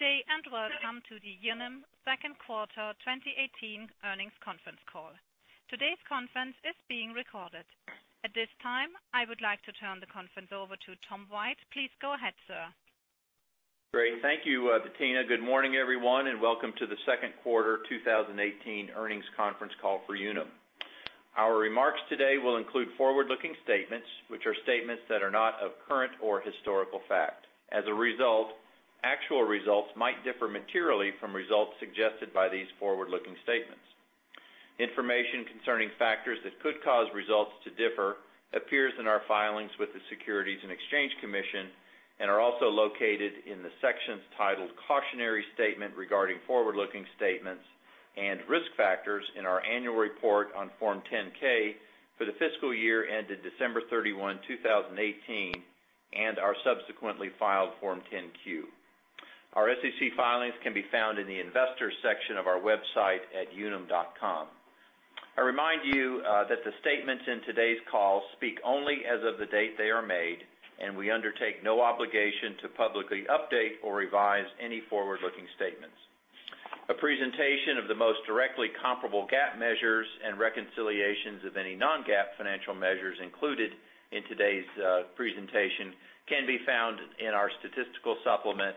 Good day, welcome to the Unum second quarter 2018 earnings conference call. Today's conference is being recorded. At this time, I would like to turn the conference over to Tom White. Please go ahead, sir. Great. Thank you, Bettina. Good morning, everyone, welcome to the second quarter 2018 earnings conference call for Unum. Our remarks today will include forward-looking statements, which are statements that are not of current or historical fact. As a result, actual results might differ materially from results suggested by these forward-looking statements. Information concerning factors that could cause results to differ appears in our filings with the Securities and Exchange Commission, are also located in the sections titled Cautionary Statement regarding Forward-Looking Statements, and Risk Factors in our annual report on Form 10-K for the fiscal year ended December 31, 2018, and our subsequently filed Form 10-Q. Our SEC filings can be found in the investors section of our website at unum.com. I remind you that the statements in today's call speak only as of the date they are made, we undertake no obligation to publicly update or revise any forward-looking statements. A presentation of the most directly comparable GAAP measures and reconciliations of any non-GAAP financial measures included in today's presentation can be found in our statistical supplement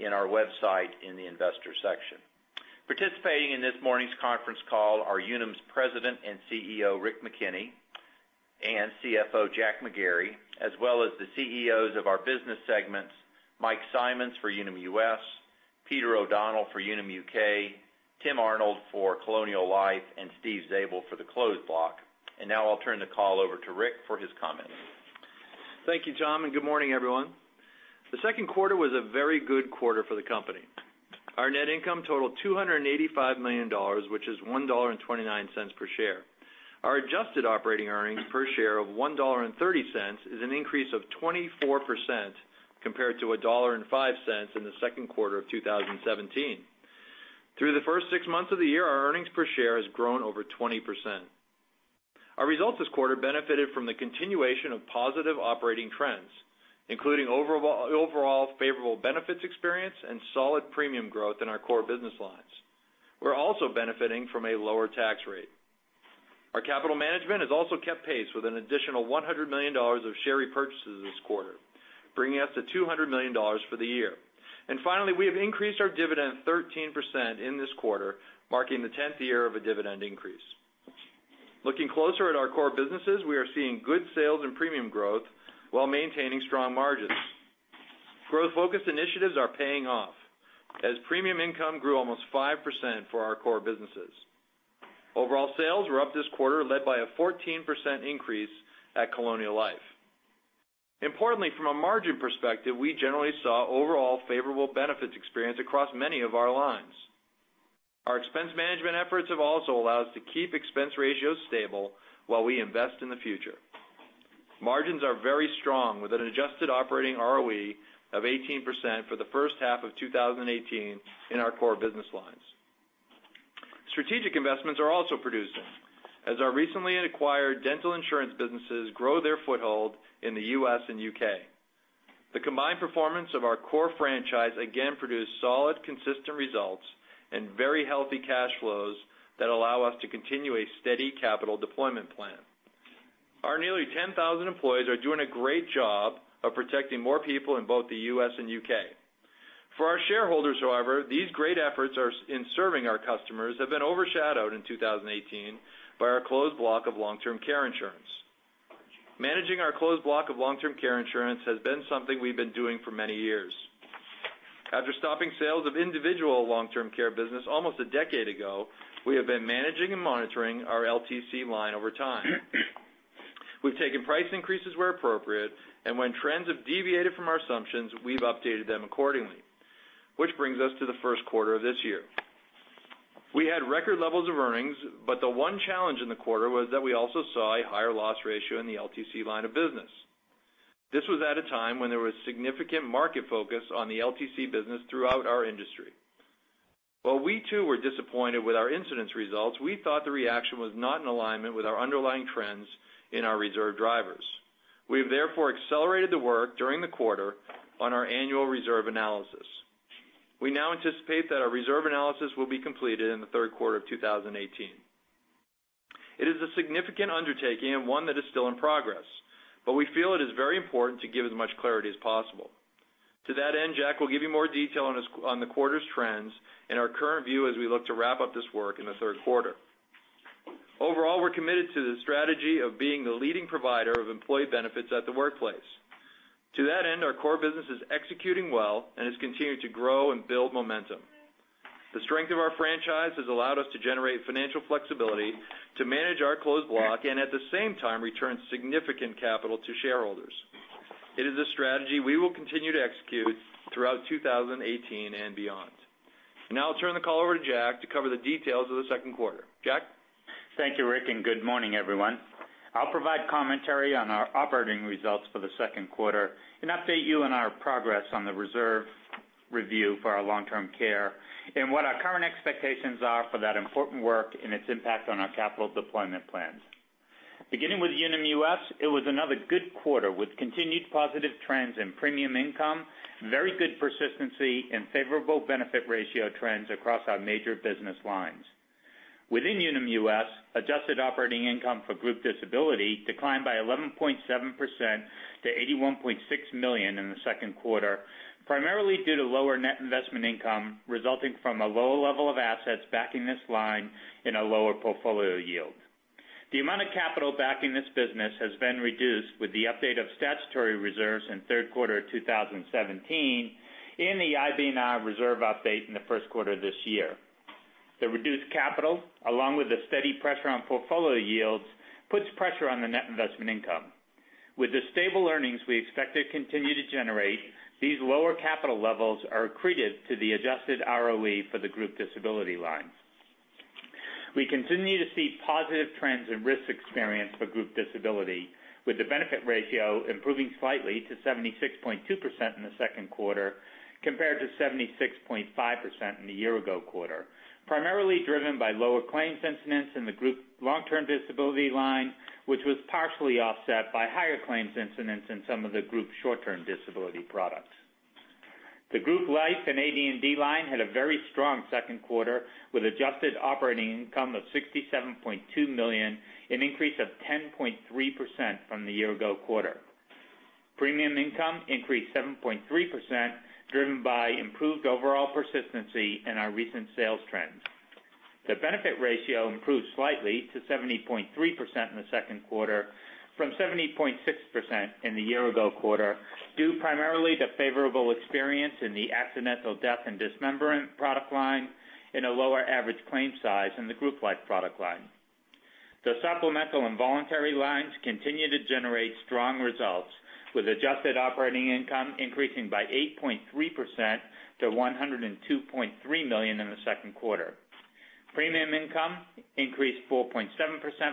in our website in the investor section. Participating in this morning's conference call are Unum's President and CEO, Rick McKenney, and CFO, Jack McGarry, as well as the CEOs of our business segments, Mike Simonds for Unum US, Peter O'Donnell for Unum UK, Tim Arnold for Colonial Life, and Steven Zabel for the Closed Block. Now I'll turn the call over to Rick for his comments. Thank you, Tom, good morning, everyone. The second quarter was a very good quarter for the company. Our net income totaled $285 million, which is $1.29 per share. Our adjusted operating earnings per share of $1.30 is an increase of 24% compared to $1.05 in the second quarter of 2017. Through the first six months of the year, our earnings per share has grown over 20%. Our results this quarter benefited from the continuation of positive operating trends, including overall favorable benefits experience and solid premium growth in our core business lines. We're also benefiting from a lower tax rate. Our capital management has also kept pace with an additional $100 million of share repurchases this quarter, bringing us to $200 million for the year. Finally, we have increased our dividend 13% in this quarter, marking the 10th year of a dividend increase. Looking closer at our core businesses, we are seeing good sales and premium growth while maintaining strong margins. Growth-focused initiatives are paying off as premium income grew almost 5% for our core businesses. Overall sales were up this quarter, led by a 14% increase at Colonial Life. Importantly, from a margin perspective, we generally saw overall favorable benefits experience across many of our lines. Our expense management efforts have also allowed us to keep expense ratios stable while we invest in the future. Margins are very strong, with an adjusted operating ROE of 18% for the first half of 2018 in our core business lines. Strategic investments are also producing, as our recently acquired dental insurance businesses grow their foothold in the U.S. and U.K. The combined performance of our core franchise again produced solid, consistent results and very healthy cash flows that allow us to continue a steady capital deployment plan. Our nearly 10,000 employees are doing a great job of protecting more people in both the U.S. and U.K. For our shareholders, however, these great efforts in serving our customers have been overshadowed in 2018 by our Closed Block of long-term care insurance. Managing our Closed Block of long-term care insurance has been something we've been doing for many years. After stopping sales of individual long-term care business almost a decade ago, we have been managing and monitoring our LTC line over time. We've taken price increases where appropriate, and when trends have deviated from our assumptions, we've updated them accordingly, which brings us to the first quarter of this year. We had record levels of earnings, but the one challenge in the quarter was that we also saw a higher loss ratio in the LTC line of business. This was at a time when there was significant market focus on the LTC business throughout our industry. While we too were disappointed with our incidence results, we thought the reaction was not in alignment with our underlying trends in our reserve drivers. We've therefore accelerated the work during the quarter on our annual reserve analysis. We now anticipate that our reserve analysis will be completed in the third quarter of 2018. It is a significant undertaking and one that is still in progress, but we feel it is very important to give as much clarity as possible. To that end, Jack will give you more detail on the quarter's trends and our current view as we look to wrap up this work in the third quarter. Overall, we're committed to the strategy of being the leading provider of employee benefits at the workplace. To that end, our core business is executing well and is continuing to grow and build momentum. The strength of our franchise has allowed us to generate financial flexibility to manage our Closed Block and at the same time return significant capital to shareholders. It is a strategy we will continue to execute throughout 2018 and beyond. Now I'll turn the call over to Jack to cover the details of the second quarter. Jack? Thank you, Rick, and good morning, everyone. I'll provide commentary on our operating results for the second quarter and update you on our progress on the reserve review for our long-term care and what our current expectations are for that important work and its impact on our capital deployment plans. Beginning with Unum US, it was another good quarter with continued positive trends in premium income, very good persistency, and favorable benefit ratio trends across our major business lines. Within Unum US, adjusted operating income for group disability declined by 11.7% to $81.6 million in the second quarter, primarily due to lower net investment income resulting from a lower level of assets backing this line in a lower portfolio yield. The amount of capital backing this business has been reduced with the update of statutory reserves in third quarter 2017 and the IBNR reserve update in the first quarter of this year. The reduced capital, along with the steady pressure on portfolio yields, puts pressure on the net investment income. With the stable earnings we expect to continue to generate, these lower capital levels are accretive to the adjusted ROE for the group disability line. We continue to see positive trends in risk experience for group disability, with the benefit ratio improving slightly to 76.2% in the second quarter compared to 76.5% in the year-ago quarter, primarily driven by lower claims incidence in the group long-term disability line, which was partially offset by higher claims incidence in some of the group short-term disability products. The group life and AD&D line had a very strong second quarter, with adjusted operating income of $67.2 million, an increase of 10.3% from the year-ago quarter. Premium income increased 7.3%, driven by improved overall persistency in our recent sales trends. The benefit ratio improved slightly to 70.3% in the second quarter from 70.6% in the year-ago quarter, due primarily to favorable experience in the accidental death and dismemberment product line and a lower average claim size in the group life product line. The supplemental and voluntary lines continue to generate strong results, with adjusted operating income increasing by 8.3% to $102.3 million in the second quarter. Premium income increased 4.7%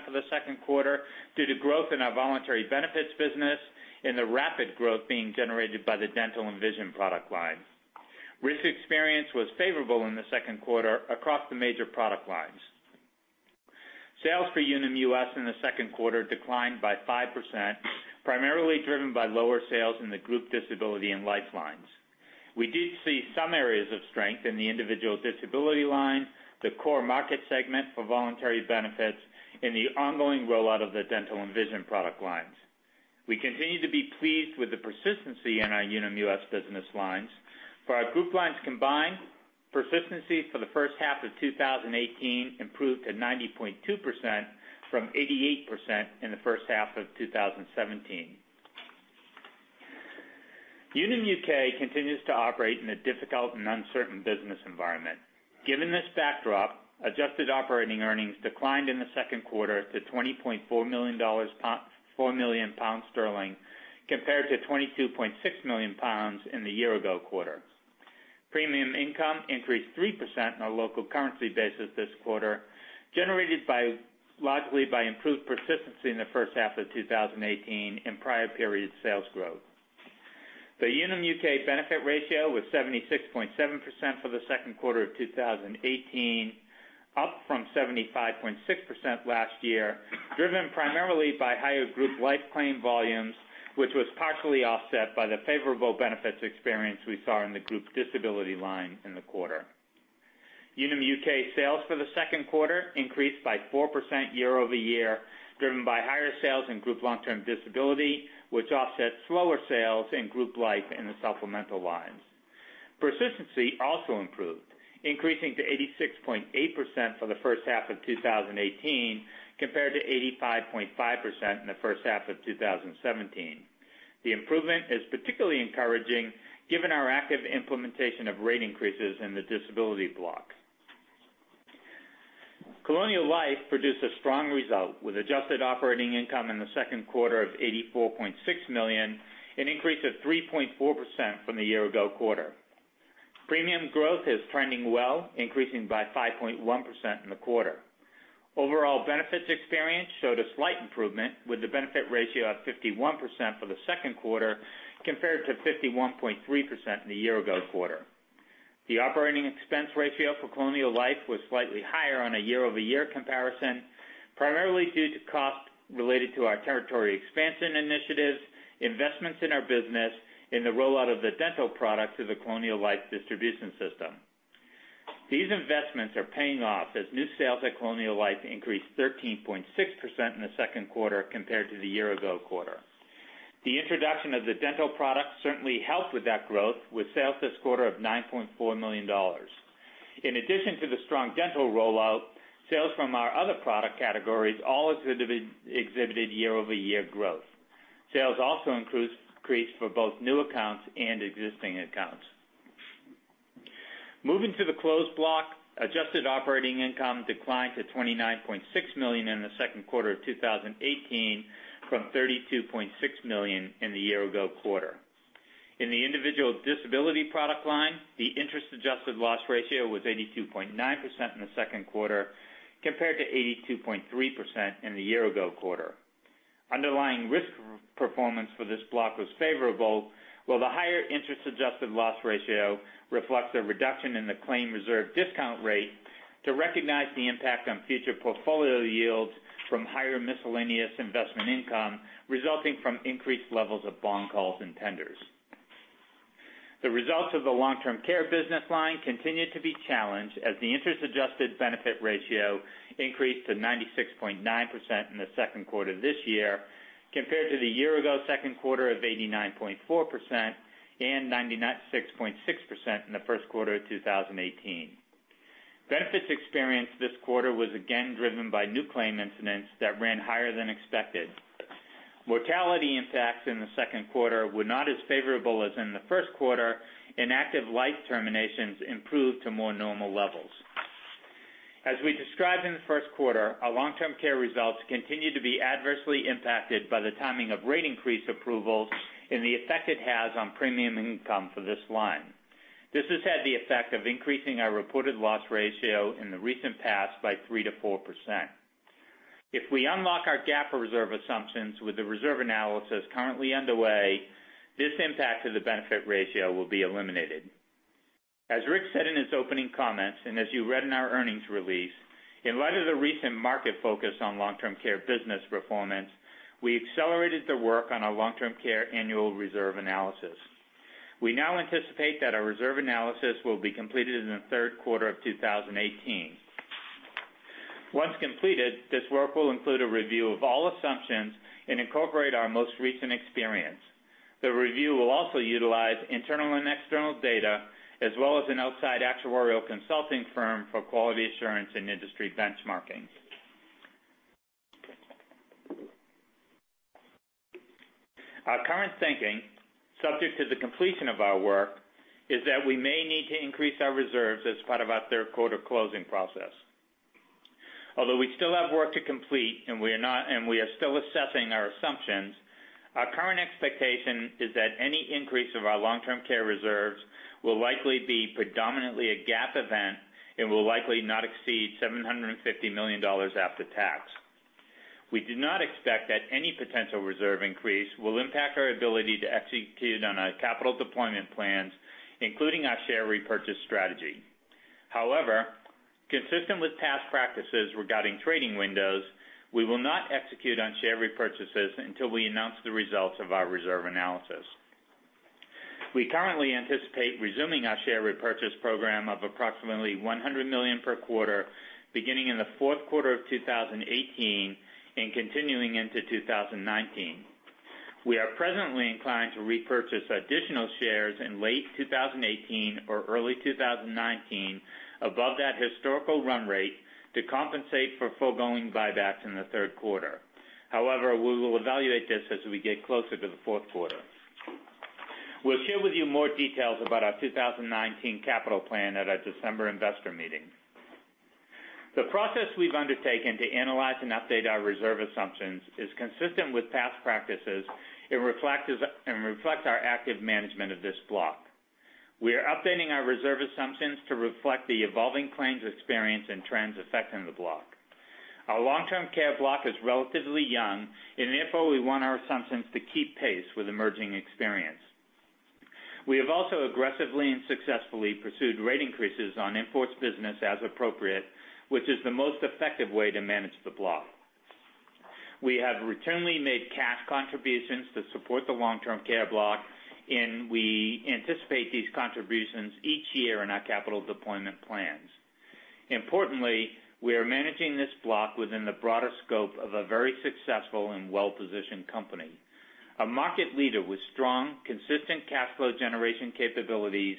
for the second quarter due to growth in our voluntary benefits business and the rapid growth being generated by the dental and vision product lines. Risk experience was favorable in the second quarter across the major product lines. Sales for Unum US in the second quarter declined by 5%, primarily driven by lower sales in the group disability and life lines. We did see some areas of strength in the individual disability line, the core market segment for voluntary benefits, and the ongoing rollout of the dental and vision product lines. We continue to be pleased with the persistency in our Unum US business lines. For our group lines combined, persistency for the first half of 2018 improved to 90.2% from 88% in the first half of 2017. Unum UK continues to operate in a difficult and uncertain business environment. Given this backdrop, adjusted operating earnings declined in the second quarter to GBP 20.4 million compared to 22.6 million pounds in the year-ago quarter. Premium income increased 3% on a local currency basis this quarter, generated largely by improved persistency in the first half of 2018 and prior period sales growth. The Unum UK benefit ratio was 76.7% for the second quarter of 2018, up from 75.6% last year, driven primarily by higher group life claim volumes, which was partially offset by the favorable benefits experience we saw in the group disability line in the quarter. Unum UK sales for the second quarter increased by 4% year-over-year, driven by higher sales in group long-term disability, which offset slower sales in group life in the supplemental lines. Persistency also improved, increasing to 86.8% for the first half of 2018 compared to 85.5% in the first half of 2017. The improvement is particularly encouraging given our active implementation of rate increases in the disability block. Colonial Life produced a strong result with adjusted operating income in the second quarter of $84.6 million, an increase of 3.4% from the year-ago quarter. Premium growth is trending well, increasing by 5.1% in the quarter. Overall benefits experience showed a slight improvement, with the benefit ratio at 51% for the second quarter compared to 51.3% in the year-ago quarter. The operating expense ratio for Colonial Life was slightly higher on a year-over-year comparison, primarily due to costs related to our territory expansion initiatives, investments in our business, and the rollout of the dental product to the Colonial Life distribution system. These investments are paying off as new sales at Colonial Life increased 13.6% in the second quarter compared to the year-ago quarter. The introduction of the dental product certainly helped with that growth, with sales this quarter of $9.4 million. In addition to the strong dental rollout, sales from our other product categories all exhibited year-over-year growth. Sales also increased for both new accounts and existing accounts. Moving to the Closed Block, adjusted operating income declined to $29.6 million in the second quarter of 2018 from $32.6 million in the year-ago quarter. In the individual disability product line, the interest-adjusted loss ratio was 82.9% in the second quarter compared to 82.3% in the year-ago quarter. Underlying risk performance for this block was favorable, while the higher interest-adjusted loss ratio reflects a reduction in the claim reserve discount rate to recognize the impact on future portfolio yields from higher miscellaneous investment income resulting from increased levels of bond calls and tenders. The results of the long-term care business line continued to be challenged, as the interest-adjusted benefit ratio increased to 96.9% in the second quarter of this year compared to the year-ago second quarter of 89.4% and 96.6% in the first quarter of 2018. Benefits experienced this quarter was again driven by new claim incidents that ran higher than expected. Mortality impacts in the second quarter were not as favorable as in the first quarter, active life terminations improved to more normal levels. As we described in the first quarter, our long-term care results continued to be adversely impacted by the timing of rate increase approvals and the effect it has on premium income for this line. This has had the effect of increasing our reported loss ratio in the recent past by 3%-4%. If we unlock our GAAP reserve assumptions with the reserve analysis currently underway, this impact to the benefit ratio will be eliminated. As Rick said in his opening comments, as you read in our earnings release, in light of the recent market focus on long-term care business performance, we accelerated the work on our long-term care annual reserve analysis. We now anticipate that our reserve analysis will be completed in the third quarter of 2018. Once completed, this work will include a review of all assumptions and incorporate our most recent experience. The review will also utilize internal and external data, as well as an outside actuarial consulting firm for quality assurance and industry benchmarking. Our current thinking, subject to the completion of our work, is that we may need to increase our reserves as part of our third quarter closing process. Although we still have work to complete, we are still assessing our assumptions, our current expectation is that any increase of our long-term care reserves will likely be predominantly a GAAP event and will likely not exceed $750 million after tax. We do not expect that any potential reserve increase will impact our ability to execute on our capital deployment plans, including our share repurchase strategy. However, consistent with past practices regarding trading windows, we will not execute on share repurchases until we announce the results of our reserve analysis. We currently anticipate resuming our share repurchase program of approximately $100 million per quarter, beginning in the fourth quarter of 2018 and continuing into 2019. We are presently inclined to repurchase additional shares in late 2018 or early 2019 above that historical run rate to compensate for foregoing buybacks in the third quarter. However, we will evaluate this as we get closer to the fourth quarter. We'll share with you more details about our 2019 capital plan at our December investor meeting. The process we've undertaken to analyze and update our reserve assumptions is consistent with past practices and reflects our active management of this block. We are updating our reserve assumptions to reflect the evolving claims experience and trends affecting the block. Our long-term care block is relatively young, therefore we want our assumptions to keep pace with emerging experience. We have also aggressively and successfully pursued rate increases on in-force business as appropriate, which is the most effective way to manage the block. We have routinely made cash contributions to support the long-term care block, we anticipate these contributions each year in our capital deployment plans. Importantly, we are managing this block within the broader scope of a very successful and well-positioned company. A market leader with strong, consistent cash flow generation capabilities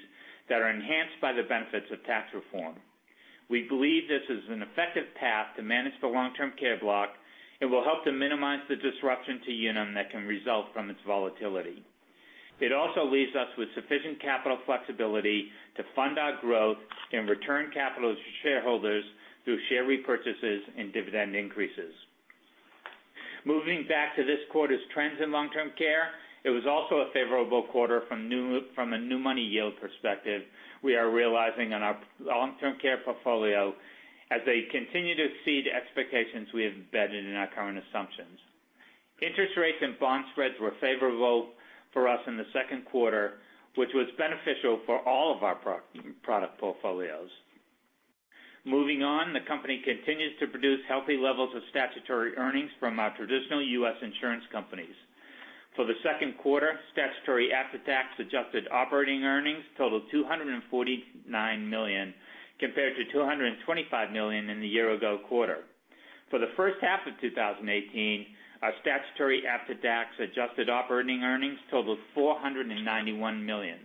that are enhanced by the benefits of tax reform. We believe this is an effective path to manage the long-term care block and will help to minimize the disruption to Unum that can result from its volatility. It also leaves us with sufficient capital flexibility to fund our growth and return capital to shareholders through share repurchases and dividend increases. Moving back to this quarter's trends in long-term care, it was also a favorable quarter from a new money yield perspective we are realizing on our long-term care portfolio as they continue to exceed expectations we have embedded in our current assumptions. Interest rates and bond spreads were favorable for us in the second quarter, which was beneficial for all of our product portfolios. Moving on, the company continues to produce healthy levels of statutory earnings from our traditional U.S. insurance companies. For the second quarter, statutory after-tax adjusted operating earnings totaled $249 million compared to $225 million in the year-ago quarter. For the first half of 2018, our statutory after-tax adjusted operating earnings totaled $491 million.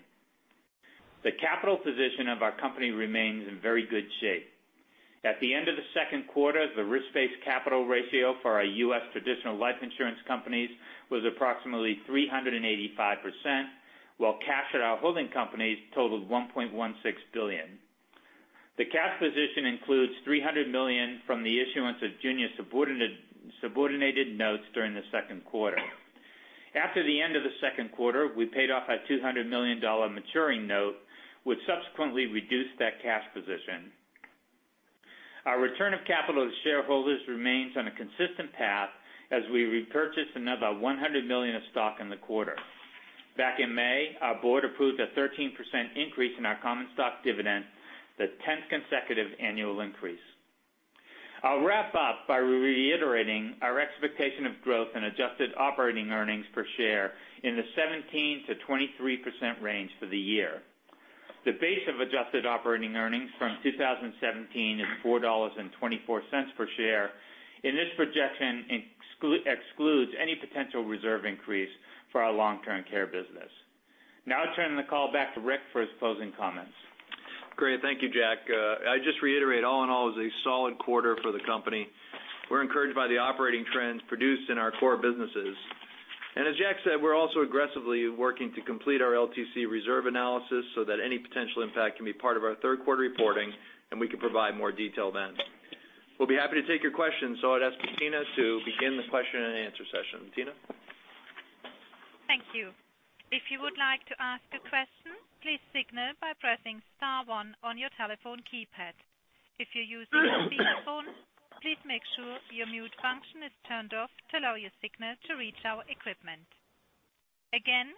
The capital position of our company remains in very good shape. At the end of the second quarter, the risk-based capital ratio for our U.S. traditional life insurance companies was approximately 385%, while cash at our holding companies totaled $1.16 billion. The cash position includes $300 million from the issuance of junior subordinated notes during the second quarter. After the end of the second quarter, we paid off a $200 million maturing note, which subsequently reduced that cash position. Our return of capital to shareholders remains on a consistent path as we repurchase another $100 million of stock in the quarter. Back in May, our board approved a 13% increase in our common stock dividend, the 10th consecutive annual increase. I'll wrap up by reiterating our expectation of growth in adjusted operating earnings per share in the 17%-23% range for the year. The base of adjusted operating earnings from 2017 is $4.24 per share, this projection excludes any potential reserve increase for our long-term care business. I turn the call back to Rick for his closing comments. Great. Thank you, Jack. I just reiterate, all in all, it was a solid quarter for the company. We're encouraged by the operating trends produced in our core businesses. As Jack said, we're also aggressively working to complete our LTC reserve analysis so that any potential impact can be part of our third-quarter reporting, and we can provide more detail then. We'll be happy to take your questions, I'd ask Bettina to begin the question and answer session. Bettina? Thank you. If you would like to ask a question, please signal by pressing star one on your telephone keypad. If you're using a speakerphone, please make sure your mute function is turned off to allow your signal to reach our equipment. Again,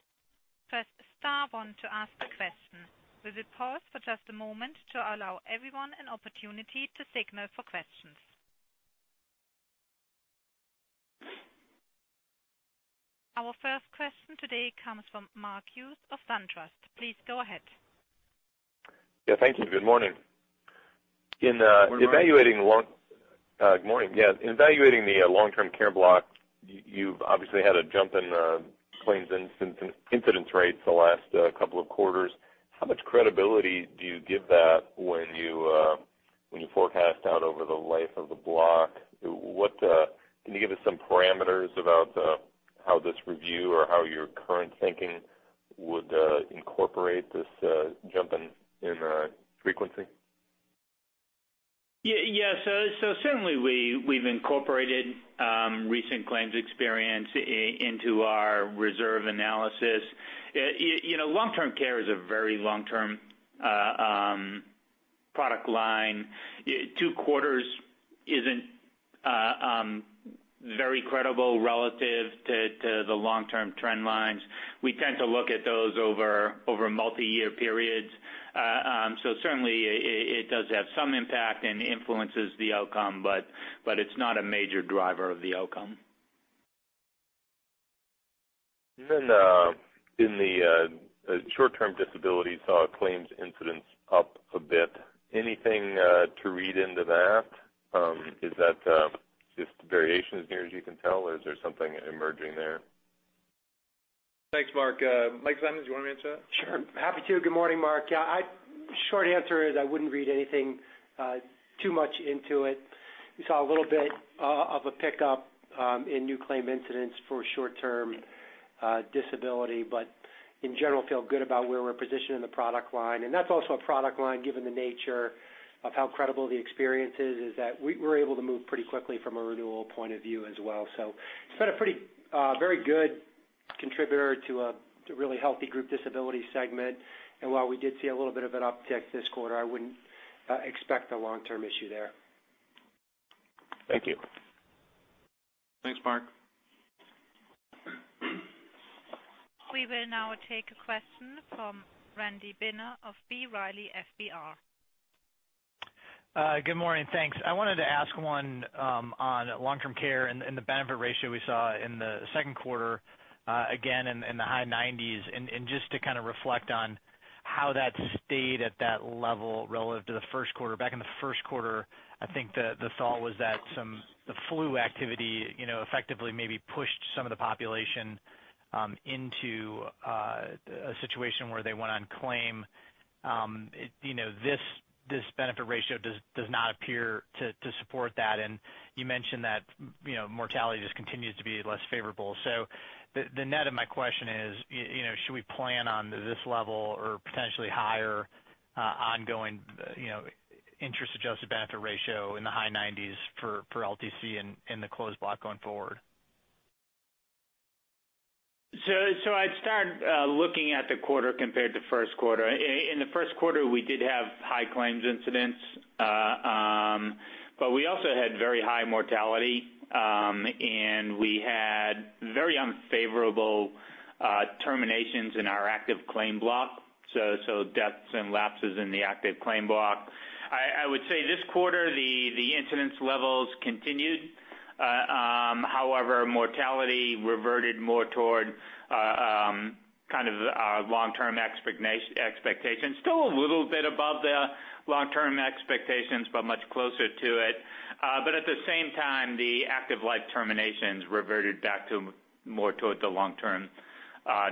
press star one to ask a question. We will pause for just a moment to allow everyone an opportunity to signal for questions. Our first question today comes from Mark Hughes of SunTrust. Please go ahead. Yeah, thank you. Good morning. Good morning. Good morning. Yeah. In evaluating the long-term care block, you've obviously had a jump in claims incidence rates the last couple of quarters. How much credibility do you give that when you forecast out over the life of the block? Can you give us some parameters about how this review or how your current thinking would incorporate this jump in frequency? Yes. Certainly, we've incorporated recent claims experience into our reserve analysis. Long-term care is a very long-term product line. Two quarters isn't very credible relative to the long-term trend lines. We tend to look at those over multi-year periods. Certainly, it does have some impact and influences the outcome, but it's not a major driver of the outcome. In the short-term disability saw claims incidence up a bit. Anything to read into that? Is that just variations near as you can tell, or is there something emerging there? Thanks, Mark. Mike Simonds, do you want to answer that? Sure, happy to. Good morning, Mark. Short answer is I wouldn't read anything too much into it. We saw a little bit of a pickup in new claim incidence for short-term disability, but in general, feel good about where we're positioned in the product line. That's also a product line, given the nature of how credible the experience is that we were able to move pretty quickly from a renewal point of view as well. It's been a very good contributor to a really healthy group disability segment. While we did see a little bit of an uptick this quarter, I wouldn't expect a long-term issue there. Thank you. Thanks, Mark. We will now take a question from Randy Binner of B. Riley FBR. Good morning. Thanks. I wanted to ask one on long-term care and the benefit ratio we saw in the second quarter, again in the high 90s. Just to kind of reflect on how that stayed at that level relative to the first quarter. Back in the first quarter, I think the thought was that some the flu activity effectively maybe pushed some of the population into a situation where they went on claim. This benefit ratio does not appear to support that, and you mentioned that mortality just continues to be less favorable. The net of my question is, should we plan on this level or potentially higher ongoing interest-adjusted benefit ratio in the high 90s for LTC in the Closed Block going forward? I'd start looking at the quarter compared to first quarter. In the first quarter, we did have high claims incidence, but we also had very high mortality, and we had very unfavorable terminations in our active claim block, so deaths and lapses in the active claim block. I would say this quarter, the incidence levels continued. However, mortality reverted more toward kind of our long-term expectations. Still a little bit above the long-term expectations, but much closer to it. At the same time, the active life terminations reverted back to more toward the long-term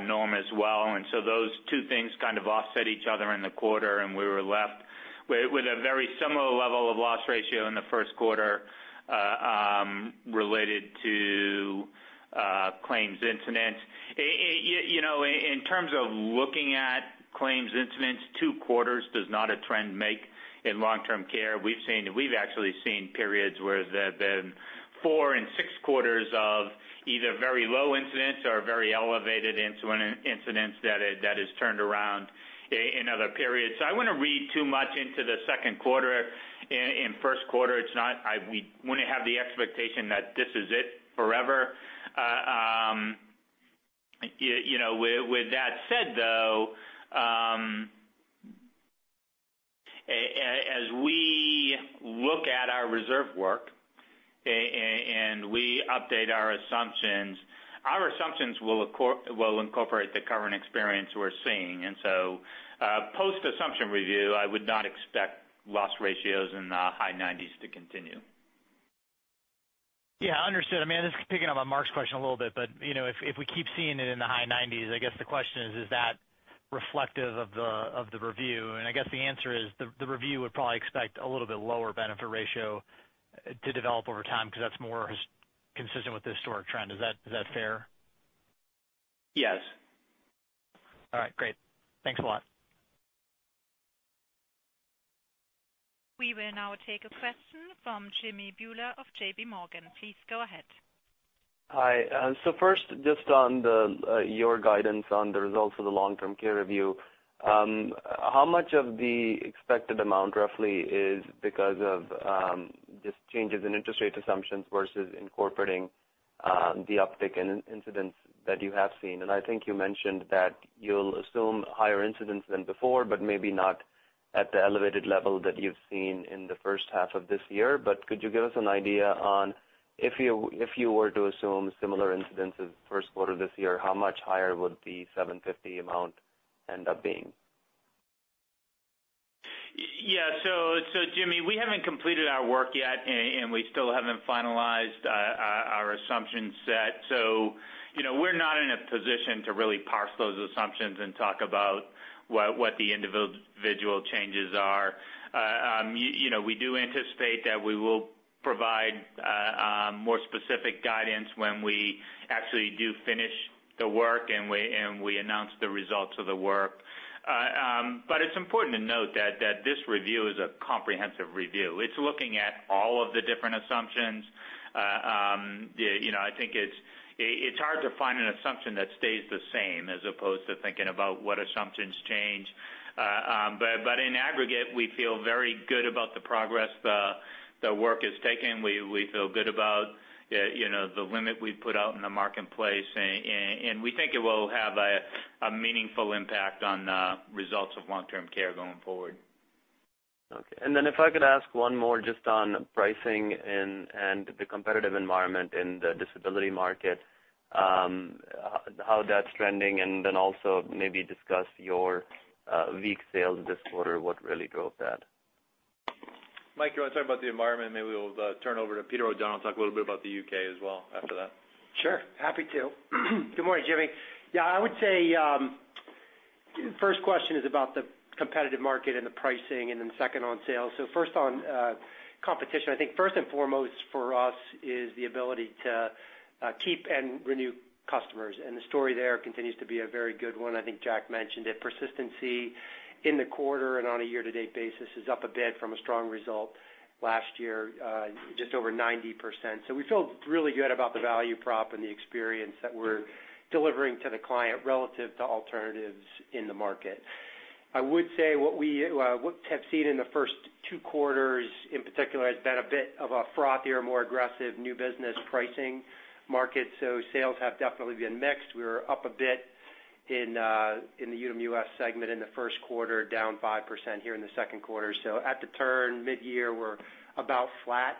norm as well. Those two things kind of offset each other in the quarter, and we were left with a very similar level of loss ratio in the first quarter related to claims incidence. In terms of looking at claims incidence, two quarters does not a trend make in long-term care. We've actually seen periods where there have been four and six quarters of either very low incidence or very elevated incidence that has turned around in other periods. I wouldn't read too much into the second quarter and first quarter. We wouldn't have the expectation that this is it forever. With that said, though, as we look at our reserve work and we update our assumptions, our assumptions will incorporate the current experience we're seeing. Post-assumption review, I would not expect loss ratios in the high 90s to continue. Yeah, understood. This is picking up on Mark's question a little bit. If we keep seeing it in the high 90s, I guess the question is that reflective of the review? I guess the answer is the review would probably expect a little bit lower benefit ratio to develop over time because that's more consistent with the historic trend. Is that fair? Yes. All right, great. Thanks a lot. We will now take a question from Jimmy Bhullar of J.P. Morgan. Please go ahead. Hi. First, just on your guidance on the results of the long-term care review, how much of the expected amount roughly is because of just changes in interest rate assumptions versus incorporating the uptick in incidence that you have seen? I think you mentioned that you'll assume higher incidence than before, but maybe not at the elevated level that you've seen in the first half of this year. Could you give us an idea on if you were to assume similar incidence as first quarter this year, how much higher would the $750 amount end up being? Yeah. Jimmy, we haven't completed our work yet, and we still haven't finalized our assumption set. We're not in a position to really parse those assumptions and talk about what the individual changes are. We do anticipate that we will provide more specific guidance when we actually do finish the work, and we announce the results of the work. It's important to note that this review is a comprehensive review. It's looking at all of the different assumptions. I think it's hard to find an assumption that stays the same as opposed to thinking about what assumptions change. In aggregate, we feel very good about the progress the work has taken. We feel good about the limit we've put out in the marketplace, and we think it will have a meaningful impact on results of long-term care going forward. Okay. Then if I could ask one more just on pricing and the competitive environment in the disability market, how that's trending, then also maybe discuss your weak sales this quarter, what really drove that? Mike, do you want to talk about the environment? Maybe we'll turn over to Peter O'Donnell to talk a little bit about the U.K. as well after that. Sure, happy to. Good morning, Jimmy. I would say, first question is about the competitive market and the pricing, and then second on sales. First on competition. I think first and foremost for us is the ability to keep and renew customers, and the story there continues to be a very good one. I think Jack mentioned it. Persistency in the quarter and on a year-to-date basis is up a bit from a strong result last year, just over 90%. We feel really good about the value prop and the experience that we're delivering to the client relative to alternatives in the market. I would say what we have seen in the first two quarters in particular has been a bit of a frothier, more aggressive new business pricing market. Sales have definitely been mixed. We were up a bit in the Unum US segment in the first quarter, down 5% here in the second quarter. At the turn, mid-year, we're about flat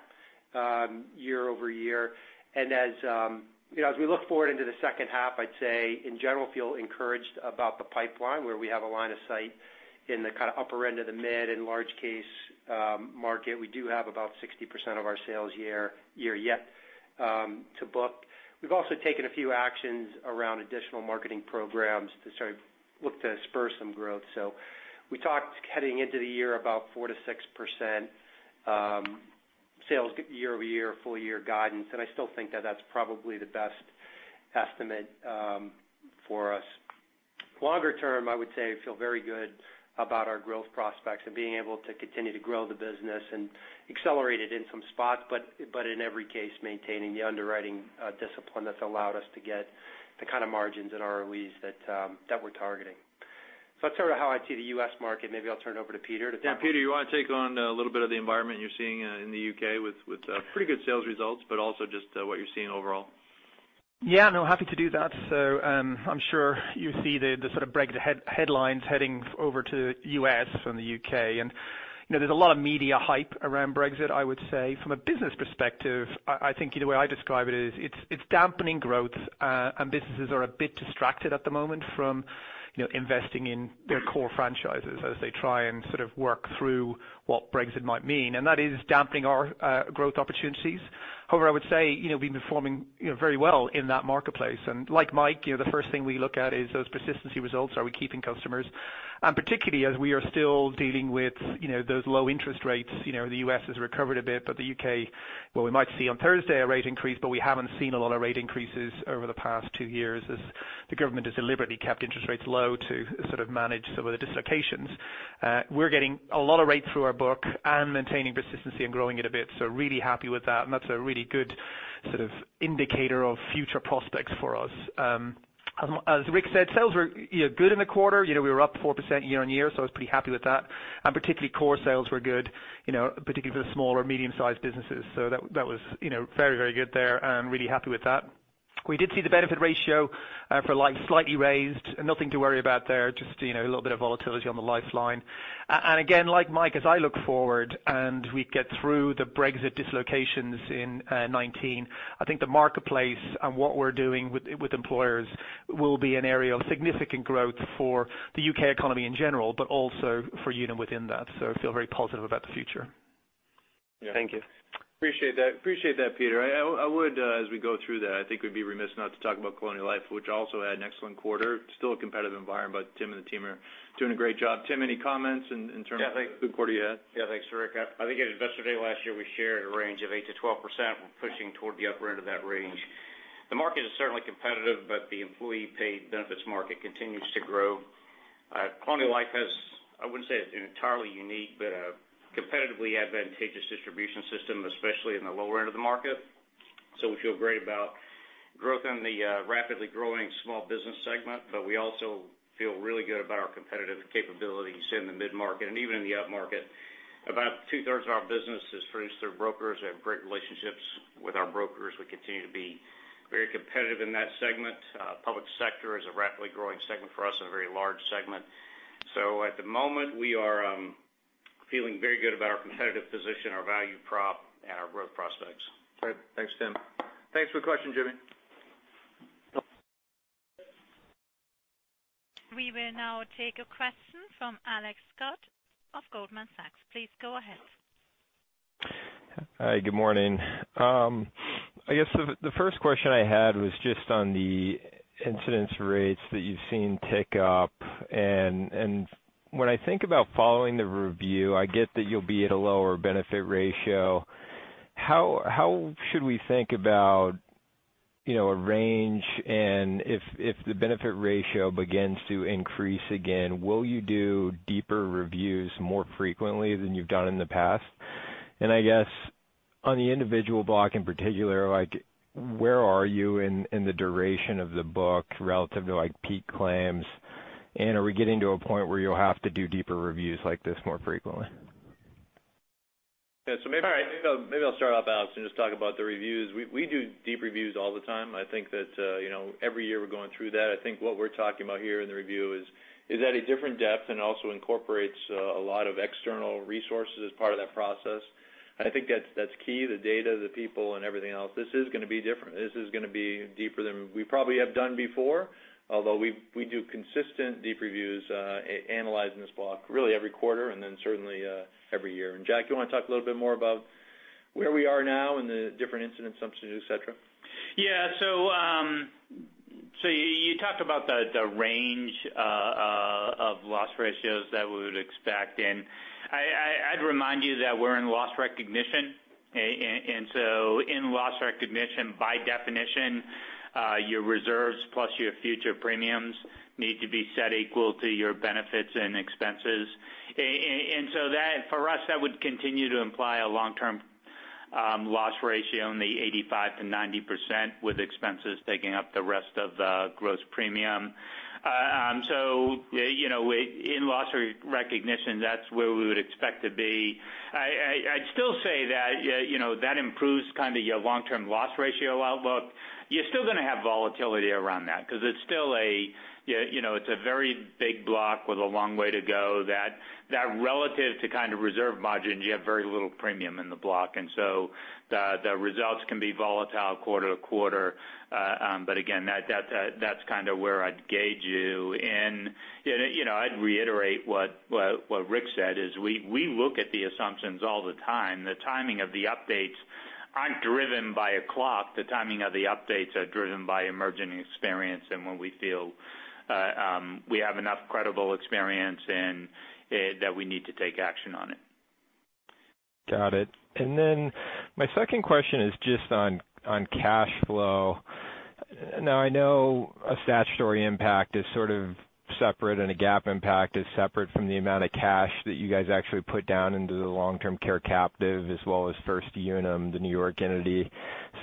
year-over-year. As we look forward into the second half, I'd say in general, feel encouraged about the pipeline where we have a line of sight in the upper end of the mid and large case market. We do have about 60% of our sales year yet to book. We've also taken a few actions around additional marketing programs to sort of look to spur some growth. We talked heading into the year about 4%-6% sales year-over-year, full-year guidance, and I still think that that's probably the best estimate for us. Longer term, I would say we feel very good about our growth prospects and being able to continue to grow the business and accelerate it in some spots, but in every case, maintaining the underwriting discipline that's allowed us to get the kind of margins and ROEs that we're targeting. That's sort of how I see the U.S. market. Maybe I'll turn it over to Peter to talk about. Peter, you want to take on a little bit of the environment you're seeing in the U.K. with pretty good sales results, but also just what you're seeing overall? No, happy to do that. I'm sure you see the sort of Brexit headlines heading over to the U.S. from the U.K., there's a lot of media hype around Brexit, I would say. From a business perspective, I think the way I describe it is it's dampening growth, businesses are a bit distracted at the moment from investing in their core franchises as they try and sort of work through what Brexit might mean. That is dampening our growth opportunities. However, I would say we've been performing very well in that marketplace. Like Mike, the first thing we look at is those persistency results. Are we keeping customers? Particularly as we are still dealing with those low interest rates, the U.S. has recovered a bit, the U.K., well, we might see on Thursday a rate increase, we haven't seen a lot of rate increases over the past two years as the government has deliberately kept interest rates low to sort of manage some of the dislocations. We're getting a lot of rate through our book and maintaining persistency and growing it a bit. Really happy with that's a really good sort of indicator of future prospects for us. As Rick said, sales were good in the quarter. We were up 4% year-on-year, I was pretty happy with that. Particularly core sales were good, particularly for the small or medium-sized businesses. That was very good there, really happy with that. We did see the benefit ratio for life slightly raised. Nothing to worry about there, just a little bit of volatility on the life line. Again, like Mike, as I look forward and we get through the Brexit dislocations in 2019, I think the marketplace and what we're doing with employers will be an area of significant growth for the U.K. economy in general, but also for Unum within that. I feel very positive about the future. Yeah. Thank you. Appreciate that, Peter. I would, as we go through that, I think we'd be remiss not to talk about Colonial Life, which also had an excellent quarter. Still a competitive environment, Tim and the team are doing a great job. Tim, any comments in terms of the good quarter you had? Yeah, thanks, Rick. I think at Investor Day last year, we shared a range of 8%-12%. We're pushing toward the upper end of that range. The market is certainly competitive, the employee-paid benefits market continues to grow. Colonial Life has, I wouldn't say an entirely unique, a competitively advantageous distribution system, especially in the lower end of the market. We feel great about growth in the rapidly growing small business segment, we also feel really good about our competitive capabilities in the mid-market, and even in the upmarket. About two-thirds of our business is produced through brokers, we have great relationships with our brokers. We continue to be very competitive in that segment. Public sector is a rapidly growing segment for us and a very large segment. At the moment, we are feeling very good about our competitive position, our value prop, and our growth prospects. Great. Thanks, Tim. Thanks for the question, Jimmy. No- We will now take a question from Alex Scott of Goldman Sachs. Please go ahead. Hi, good morning. I guess the first question I had was just on the incidence rates that you've seen tick up. When I think about following the review, I get that you'll be at a lower benefit ratio. How should we think about a range? If the benefit ratio begins to increase again, will you do deeper reviews more frequently than you've done in the past? I guess on the individual block in particular, where are you in the duration of the book relative to peak claims? Are we getting to a point where you'll have to do deeper reviews like this more frequently? Maybe I'll start off, Alex, and just talk about the reviews. We do deep reviews all the time. I think that every year we're going through that. I think what we're talking about here in the review is at a different depth and also incorporates a lot of external resources as part of that process. I think that's key, the data, the people, and everything else. This is going to be different. This is going to be deeper than we probably have done before, although we do consistent deep reviews analyzing this block really every quarter and then certainly every year. Jack, you want to talk a little bit more about where we are now in the different incident assumptions, et cetera? You talked about the range of loss ratios that we would expect, and I'd remind you that we're in loss recognition. In loss recognition, by definition, your reserves plus your future premiums need to be set equal to your benefits and expenses. That, for us, that would continue to imply a long-term loss ratio in the 85%-90%, with expenses taking up the rest of the gross premium. In loss recognition, that's where we would expect to be. I'd still say that improves your long-term loss ratio outlook. You're still going to have volatility around that, because it's a very big block with a long way to go, that relative to reserve margins, you have very little premium in the block. The results can be volatile quarter to quarter. Again, that's where I'd gauge you. I'd reiterate what Rick said, is we look at the assumptions all the time. The timing of the updates aren't driven by a clock. The timing of the updates are driven by emerging experience and when we feel we have enough credible experience, and that we need to take action on it. Got it. My second question is just on cash flow. I know a statutory impact is sort of separate, and a GAAP impact is separate from the amount of cash that you guys actually put down into the long-term care captive as well as First Unum, the New York entity.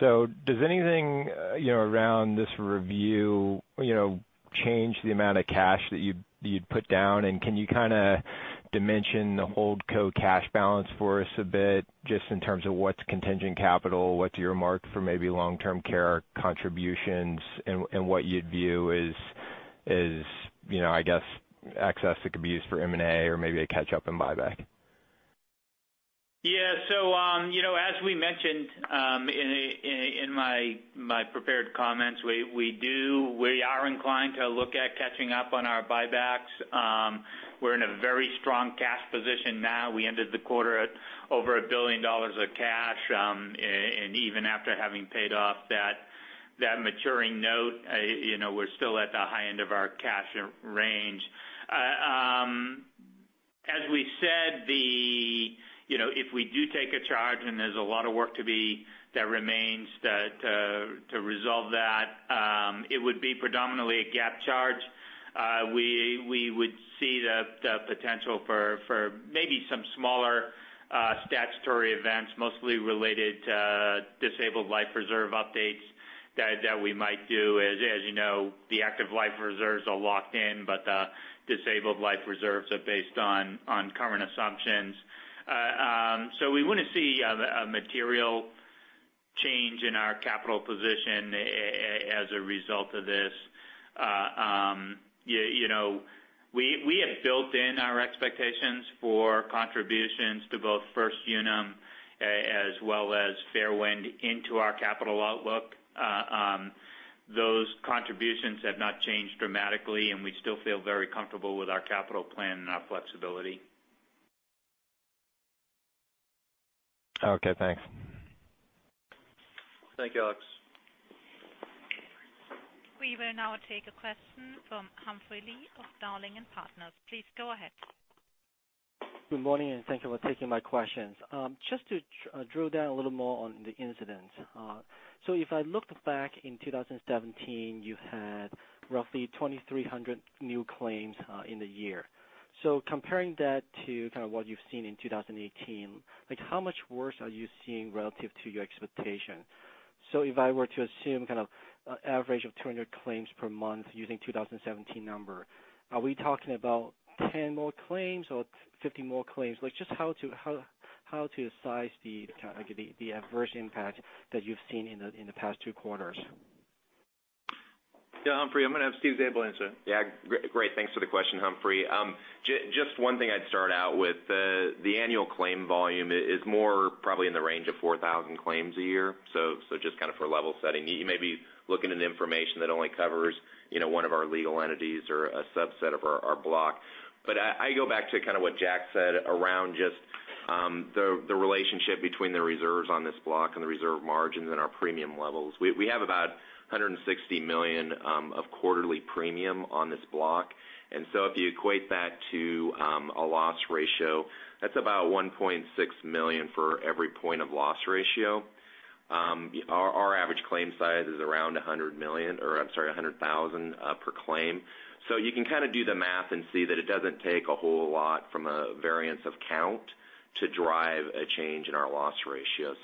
Does anything around this review change the amount of cash that you'd put down? Can you kind of dimension the hold co cash balance for us a bit just in terms of what's contingent capital, what's your mark for maybe long-term care contributions, and what you'd view as excess that could be used for M&A or maybe a catch-up and buyback? As we mentioned in my prepared comments, we are inclined to look at catching up on our buybacks. We're in a very strong cash position now. We ended the quarter at over $1 billion of cash. Even after having paid off that maturing note, we're still at the high end of our cash range. We said, if we do take a charge, and there's a lot of work that remains to resolve that, it would be predominantly a GAAP charge. We would see the potential for maybe some smaller Statutory events, mostly related to disabled life reserve updates that we might do. As you know, the active life reserves are locked in, but the disabled life reserves are based on current assumptions. We wouldn't see a material change in our capital position as a result of this. We have built in our expectations for contributions to both First Unum, as well as Fairwind into our capital outlook. Those contributions have not changed dramatically, and we still feel very comfortable with our capital plan and our flexibility. Okay, thanks. Thank you, Alex. We will now take a question from Humphrey Lee of Dowling & Partners. Please go ahead. Good morning, thank you for taking my questions. Just to drill down a little more on the incidents. If I looked back in 2017, you had roughly 2,300 new claims in the year. Comparing that to kind of what you've seen in 2018, how much worse are you seeing relative to your expectation? If I were to assume kind of average of 200 claims per month using 2017 number, are we talking about 10 more claims or 50 more claims? Just how to size the kind of adverse impact that you've seen in the past two quarters. Humphrey, I'm going to have Steven Zabel answer. Great. Thanks for the question, Humphrey. Just one thing I'd start out with the annual claim volume is more probably in the range of 4,000 claims a year. Just kind of for level setting. You may be looking at information that only covers one of our legal entities or a subset of our block. I go back to kind of what Jack said around just the relationship between the reserves on this block and the reserve margins and our premium levels. We have about $160 million of quarterly premium on this block, if you equate that to a loss ratio, that's about $1.6 million for every point of loss ratio. Our average claim size is around $100 million, or I'm sorry, $100,000 per claim. You can kind of do the math and see that it doesn't take a whole lot from a variance of count to drive a change in our loss ratio.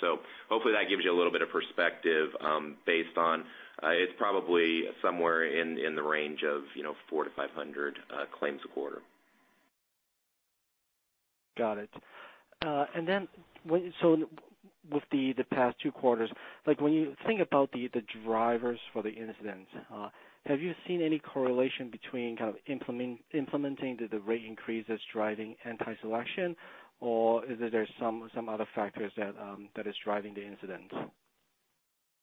Hopefully that gives you a little bit of perspective based on it's probably somewhere in the range of 4 to 500 claims a quarter. Got it. Then, with the past two quarters, when you think about the drivers for the incidents, have you seen any correlation between kind of implementing the rate increase that's driving anti-selection? Is there some other factors that is driving the incident?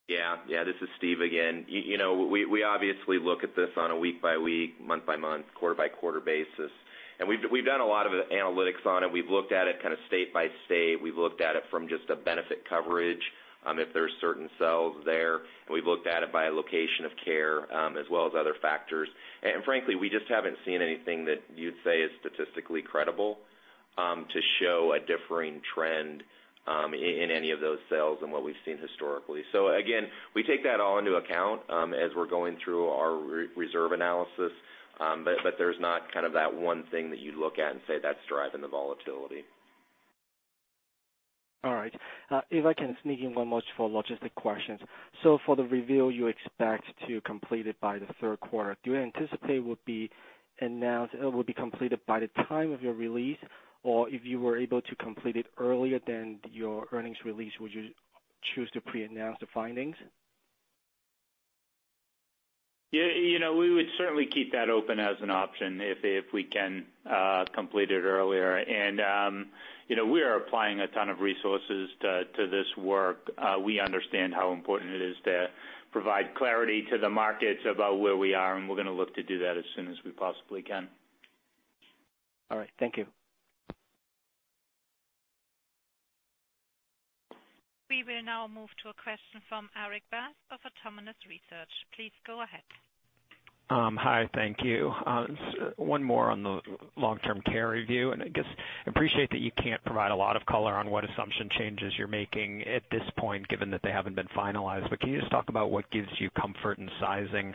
Yeah. This is Steve again. We obviously look at this on a week-by-week, month-by-month, quarter-by-quarter basis. We've done a lot of analytics on it. We've looked at it kind of state-by-state. We've looked at it from just a benefit coverage, if there's certain cells there, and we've looked at it by location of care, as well as other factors. Frankly, we just haven't seen anything that you'd say is statistically credible to show a differing trend in any of those cells than what we've seen historically. Again, we take that all into account as we're going through our reserve analysis. There's not kind of that one thing that you'd look at and say that's driving the volatility. All right. If I can sneak in one more for logistic questions. For the review, you expect to complete it by the third quarter, do you anticipate it would be completed by the time of your release? If you were able to complete it earlier than your earnings release, would you choose to pre-announce the findings? We would certainly keep that open as an option if we can complete it earlier. We are applying a ton of resources to this work. We understand how important it is to provide clarity to the markets about where we are, we're going to look to do that as soon as we possibly can. All right. Thank you. We will now move to a question from Erik Bass of Autonomous Research. Please go ahead. Hi. Thank you. One more on the long-term care review, and I guess I appreciate that you can't provide a lot of color on what assumption changes you're making at this point, given that they haven't been finalized. But can you just talk about what gives you comfort in sizing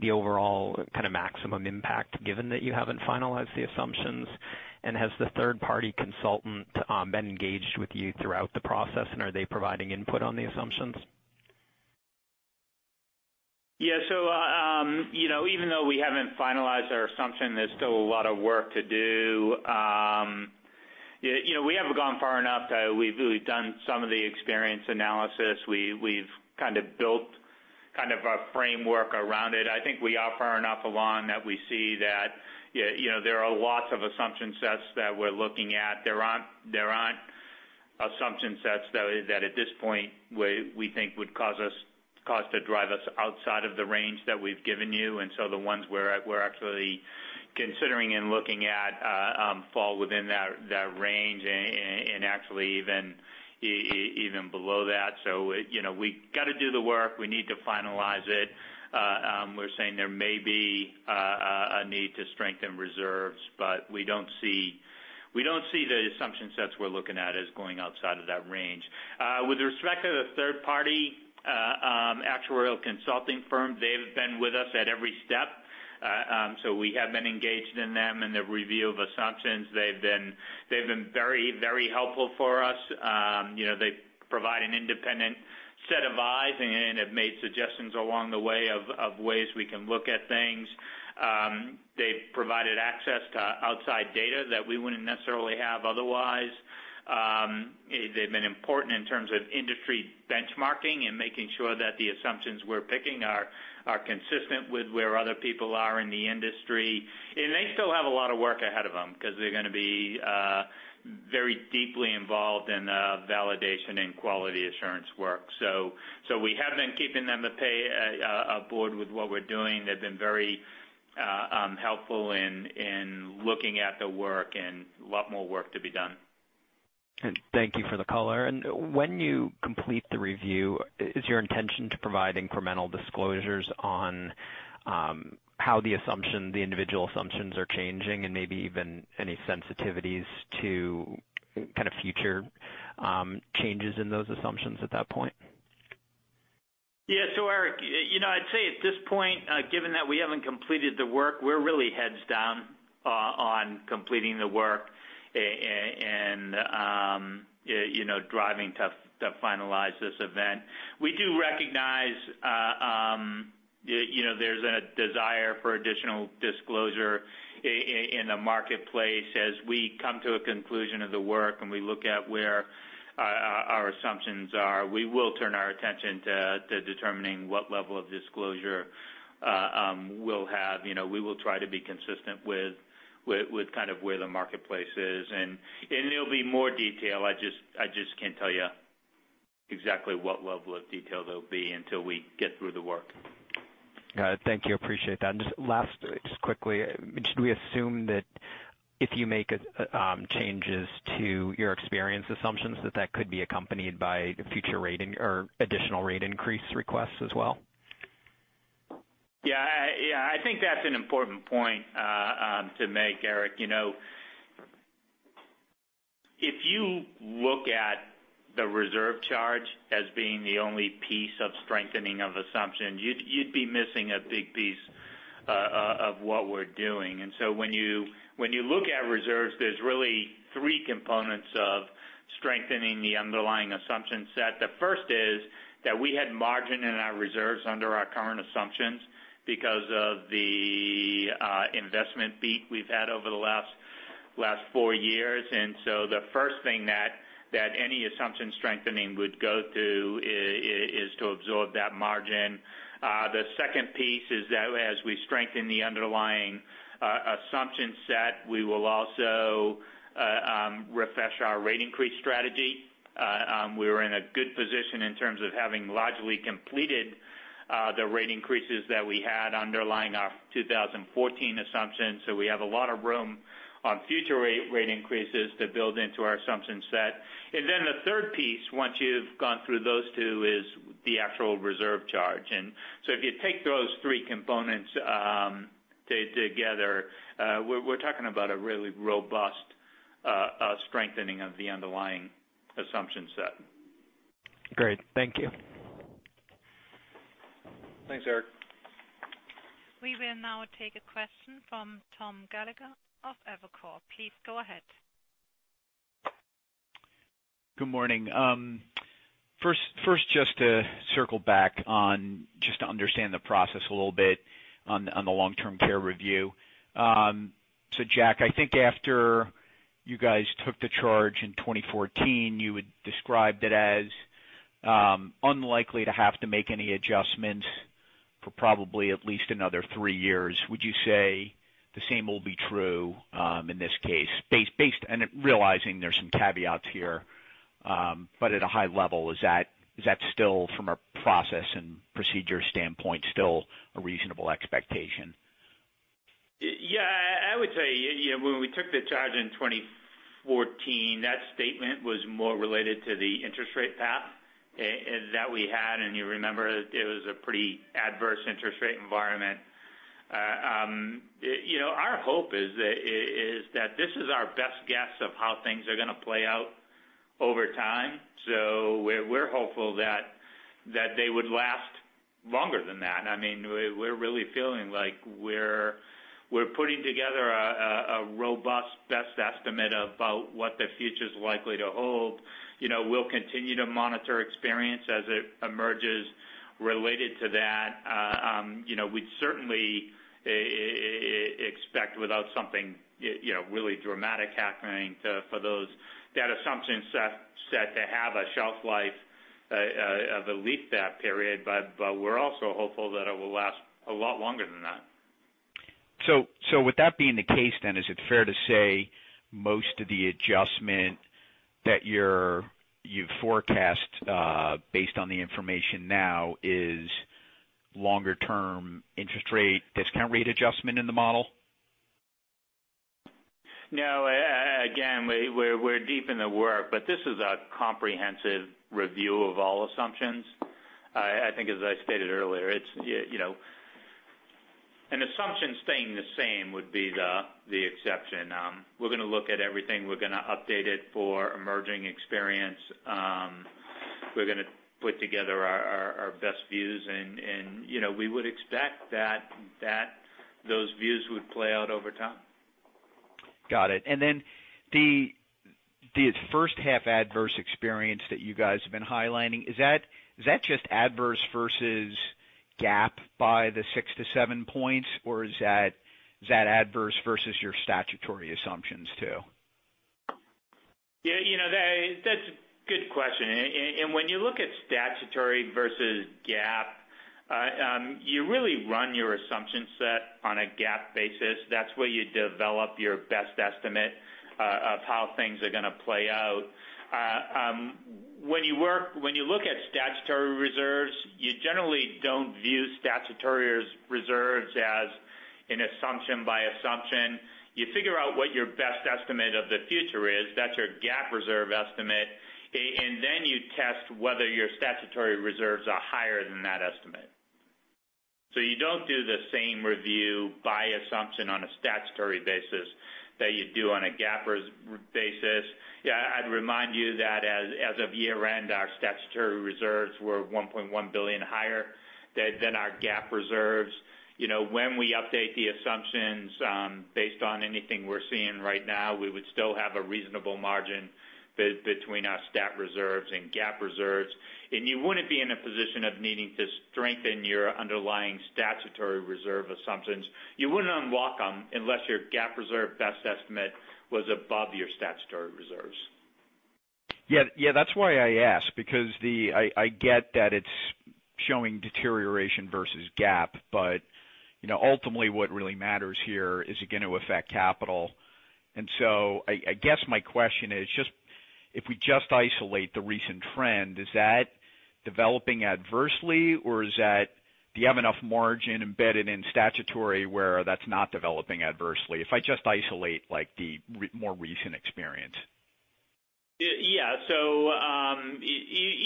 the overall kind of maximum impact, given that you haven't finalized the assumptions? Has the third-party consultant been engaged with you throughout the process, and are they providing input on the assumptions? Yeah. Even though we haven't finalized our assumption, there's still a lot of work to do. We haven't gone far enough that we've really done some of the experience analysis. We've kind of built kind of a framework around it. I think we are far enough along that we see that there are lots of assumption sets that we're looking at. There aren't assumption sets that at this point we think would cause to drive us outside of the range that we've given you. The ones we're actually considering and looking at fall within that range and actually even below that. We got to do the work. We need to finalize it. We're saying there may be a need to strengthen reserves, but we don't see the assumption sets we're looking at as going outside of that range. With respect to the third party actuarial consulting firm. They've been with us at every step. We have been engaged in them in the review of assumptions. They've been very helpful for us. They provide an independent set of eyes and have made suggestions along the way of ways we can look at things. They've provided access to outside data that we wouldn't necessarily have otherwise. They've been important in terms of industry benchmarking and making sure that the assumptions we're picking are consistent with where other people are in the industry. They still have a lot of work ahead of them because they're going to be very deeply involved in validation and quality assurance work. We have been keeping them aboard with what we're doing. They've been very helpful in looking at the work, and a lot more work to be done. Thank you for the color. When you complete the review, is your intention to provide incremental disclosures on how the individual assumptions are changing and maybe even any sensitivities to kind of future changes in those assumptions at that point? Yeah. Eric, I'd say at this point, given that we haven't completed the work, we're really heads down on completing the work and driving to finalize this event. We do recognize there's a desire for additional disclosure in the marketplace. As we come to a conclusion of the work and we look at where our assumptions are, we will turn our attention to determining what level of disclosure we'll have. We will try to be consistent with kind of where the marketplace is, there'll be more detail. I just can't tell you exactly what level of detail there'll be until we get through the work. Got it. Thank you. Appreciate that. Just last, just quickly, should we assume that if you make changes to your experience assumptions, that that could be accompanied by future rating or additional rate increase requests as well? Yeah. I think that's an important point to make, Eric. If you look at the reserve charge as being the only piece of strengthening of assumptions, you'd be missing a big piece of what we're doing. When you look at reserves, there's really three components of strengthening the underlying assumption set. The first is that we had margin in our reserves under our current assumptions because of the investment beat we've had over the last four years. The first thing that any assumption strengthening would go through is to absorb that margin. The second piece is that as we strengthen the underlying assumption set, we will also refresh our rate increase strategy. We were in a good position in terms of having largely completed the rate increases that we had underlying our 2014 assumptions. We have a lot of room on future rate increases to build into our assumption set. The third piece, once you've gone through those two, is the actual reserve charge. If you take those three components together, we're talking about a really robust strengthening of the underlying assumption set. Great. Thank you. Thanks, Eric. We will now take a question from Thomas Gallagher of Evercore. Please go ahead. Good morning. First to circle back, to understand the process a little bit on the long-term care review. Jack, I think after you guys took the charge in 2014, you had described it as unlikely to have to make any adjustments for probably at least another three years. Would you say the same will be true in this case? Realizing there's some caveats here, but at a high level, is that still from a process and procedure standpoint, still a reasonable expectation? Yeah. I would say, when we took the charge in 2014, that statement was more related to the interest rate path that we had, you remember it was a pretty adverse interest rate environment. Our hope is that this is our best guess of how things are going to play out over time. We're hopeful that they would last longer than that. I mean, we're really feeling like we're putting together a robust best estimate about what the future's likely to hold. We'll continue to monitor experience as it emerges related to that. We'd certainly expect without something really dramatic happening for that assumption set to have a shelf life of at least that period, we're also hopeful that it will last a lot longer than that. With that being the case then, is it fair to say most of the adjustment that you forecast based on the information now is longer term interest rate discount rate adjustment in the model? No, again, we're deep in the work, but this is a comprehensive review of all assumptions. I think as I stated earlier, it's Assumption staying the same would be the exception. We're going to look at everything. We're going to update it for emerging experience. We're going to put together our best views. We would expect that those views would play out over time. Got it. Then the first half adverse experience that you guys have been highlighting, is that just adverse versus GAAP by the six to seven points, or is that adverse versus your statutory assumptions, too? Yeah, that's a good question. When you look at statutory versus GAAP, you really run your assumption set on a GAAP basis. That's where you develop your best estimate of how things are going to play out. When you look at statutory reserves, you generally don't view statutory reserves as an assumption by assumption. You figure out what your best estimate of the future is, that's your GAAP reserve estimate. Then you test whether your statutory reserves are higher than that estimate. You don't do the same review by assumption on a statutory basis that you do on a GAAP basis. Yeah, I'd remind you that as of year-end, our statutory reserves were $1.1 billion higher than our GAAP reserves. When we update the assumptions based on anything we're seeing right now, we would still have a reasonable margin be between our stat reserves and GAAP reserves. You wouldn't be in a position of needing to strengthen your underlying statutory reserve assumptions. You wouldn't unlock them unless your GAAP reserve best estimate was above your statutory reserves. Yeah. That's why I asked, because I get that it's showing deterioration versus GAAP, but ultimately, what really matters here, is it going to affect capital? I guess my question is, if we just isolate the recent trend, is that developing adversely or do you have enough margin embedded in statutory where that's not developing adversely? If I just isolate the more recent experience. Yeah.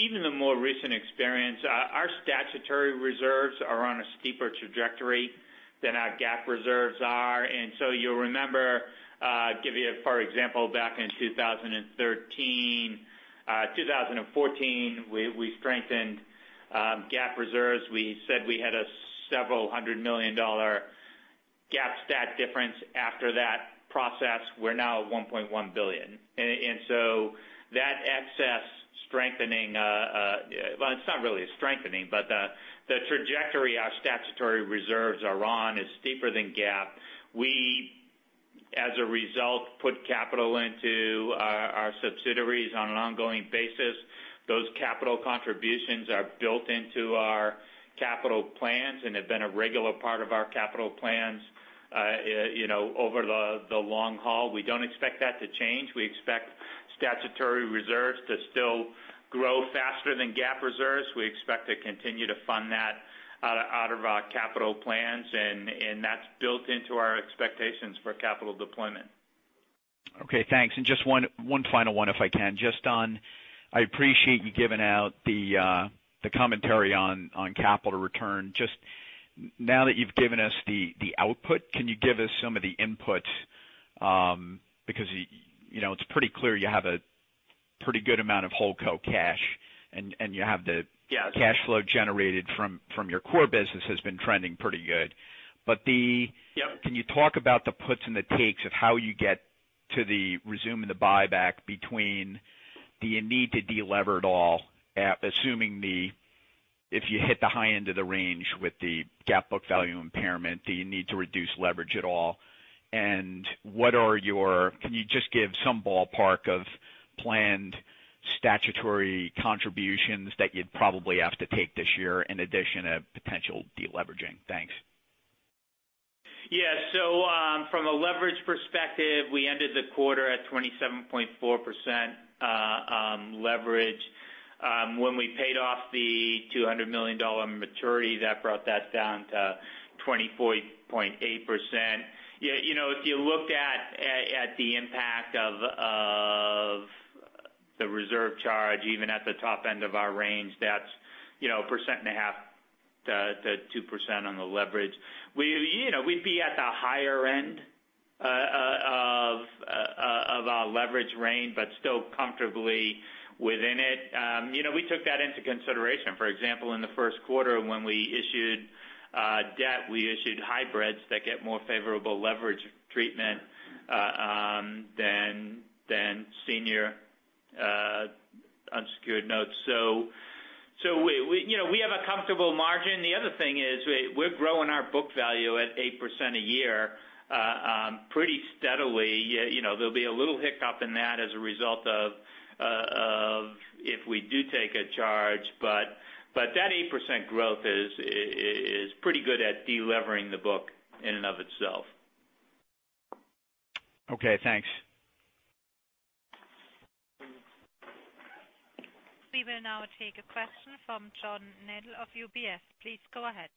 Even the more recent experience, our statutory reserves are on a steeper trajectory than our GAAP reserves are. You'll remember, give you a for example, back in 2013, 2014, we strengthened GAAP reserves. We said we had a several hundred million dollar GAAP stat difference after that process. We're now at $1.1 billion. That excess strengthening, well, it's not really a strengthening, but the trajectory our statutory reserves are on is steeper than GAAP. We, as a result, put capital into our subsidiaries on an ongoing basis. Those capital contributions are built into our capital plans and have been a regular part of our capital plans over the long haul. We don't expect that to change. We expect statutory reserves to still grow faster than GAAP reserves. We expect to continue to fund that out of our capital plans, and that's built into our expectations for capital deployment. Okay, thanks. Just one final one, if I can. I appreciate you giving out the commentary on capital return. Just now that you've given us the output, can you give us some of the inputs? It's pretty clear you have a pretty good amount of holdco cash, and you have the. Yeah cash flow generated from your core business has been trending pretty good. Yep. Can you talk about the puts and the takes of how you get to the resuming the buyback between do you need to de-lever at all, assuming if you hit the high end of the range with the GAAP book value impairment, do you need to reduce leverage at all? Can you just give some ballpark of planned statutory contributions that you'd probably have to take this year in addition to potential de-leveraging? Thanks. Yeah. From a leverage perspective, we ended the quarter at 27.4% leverage. When we paid off the $200 million maturity, that brought that down to 24.8%. If you looked at the impact of the reserve charge, even at the top end of our range, that's a percent and a half to 2% on the leverage. We'd be at the higher end of our leverage range, but still comfortably within it. We took that into consideration. For example, in the first quarter, when we issued debt, we issued hybrids that get more favorable leverage treatment than senior unsecured notes. We have a comfortable margin. The other thing is we're growing our book value at 8% a year pretty steadily. There'll be a little hiccup in that as a result of if we do take a charge. That 8% growth is pretty good at de-levering the book in and of itself. Okay, thanks. We will now take a question from John Nadel of UBS. Please go ahead.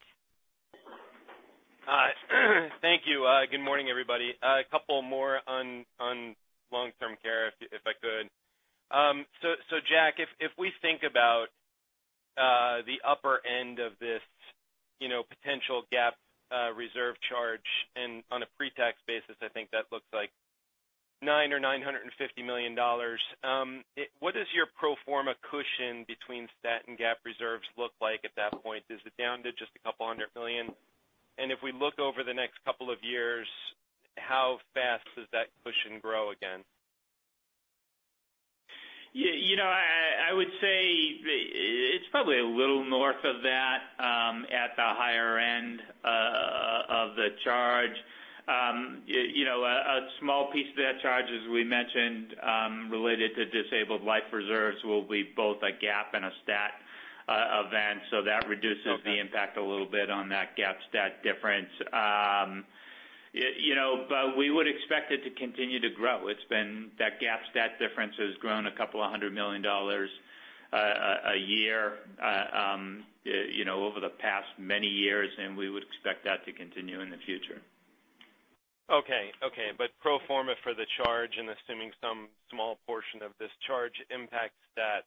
Hi. Thank you. Good morning, everybody. A couple more on long-term care. Jack, if we think about the upper end of this potential GAAP reserve charge on a pre-tax basis, I think that looks like $900 million or $950 million. What does your pro forma cushion between STAT and GAAP reserves look like at that point? Is it down to just a couple of hundred million dollars? If we look over the next couple of years, how fast does that cushion grow again? I would say it's probably a little north of that at the higher end of the charge. A small piece of that charge, as we mentioned, related to disabled life reserves will be both a GAAP and a STAT event, so that reduces the impact a little bit on that GAAP-STAT difference. We would expect it to continue to grow. That GAAP-STAT difference has grown a couple of hundred million dollars a year over the past many years, we would expect that to continue in the future. Okay. Pro forma for the charge and assuming some small portion of this charge impacts that,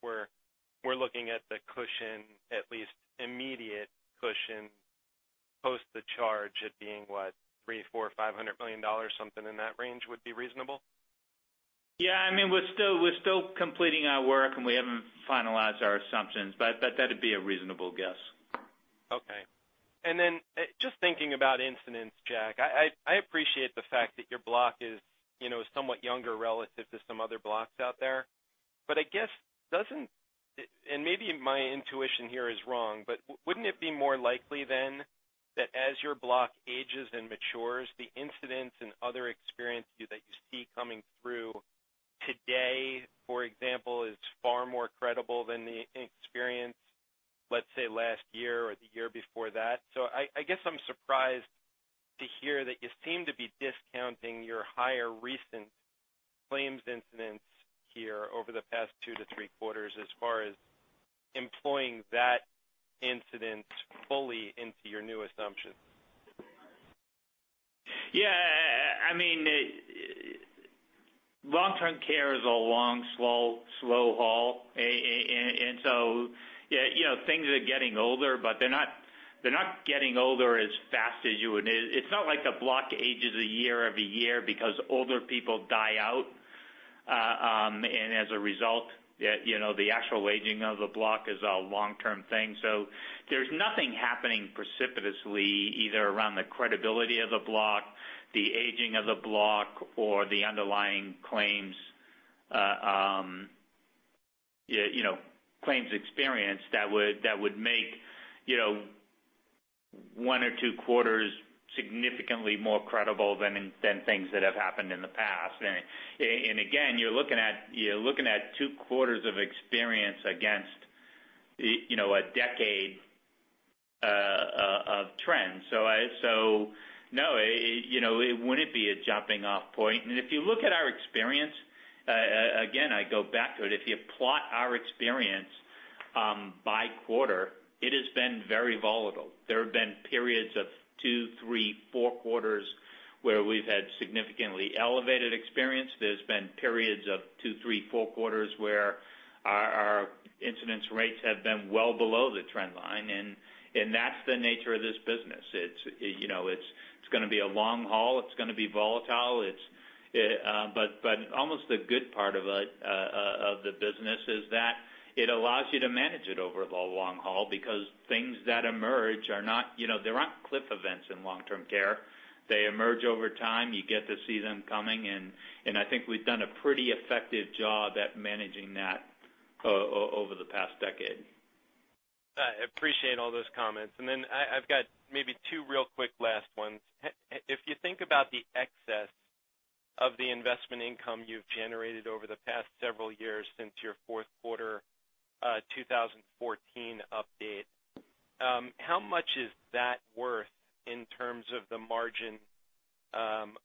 we're looking at the cushion, at least immediate cushion, post the charge at being what? three, four, $500 million, something in that range would be reasonable? Yeah, we're still completing our work. We haven't finalized our assumptions. That'd be a reasonable guess. Okay. Just thinking about incidence, Jack, I appreciate the fact that your block is somewhat younger relative to some other blocks out there. I guess, maybe my intuition here is wrong, wouldn't it be more likely then that as your block ages and matures, the incidence and other experiences that you see coming through today, for example, is far more credible than the experience, let's say, last year or the year before that? I guess I'm surprised to hear that you seem to be discounting your higher recent claims incidence here over the past two to three quarters as far as employing that incidence fully into your new assumption. Yeah. Long-term care is a long, slow haul. Things are getting older, they're not getting older as fast as you would. It's not like the block ages a year every year because older people die out. As a result, the actual aging of the block is a long-term thing. There's nothing happening precipitously, either around the credibility of the block, the aging of the block or the underlying claims experience that would make one or two quarters significantly more credible than things that have happened in the past. Again, you're looking at two quarters of experience against a decade of trends. No, it wouldn't be a jumping-off point. If you look at our experience, again, I go back to it, if you plot our experience by quarter, it has been very volatile. There have been periods of two, three, four quarters where we've had significantly elevated experience. There's been periods of two, three, four quarters where our incidence rates have been well below the trend line. That's the nature of this business. It's going to be a long haul. It's going to be volatile. Almost the good part of the business is that it allows you to manage it over the long haul because things that emerge are not cliff events in long-term care. They emerge over time. You get to see them coming, and I think we've done a pretty effective job at managing that over the past decade. I appreciate all those comments. Then I've got maybe two real quick last ones. If you think about the excess of the investment income you've generated over the past several years since your fourth quarter 2014 update, how much is that worth in terms of the margin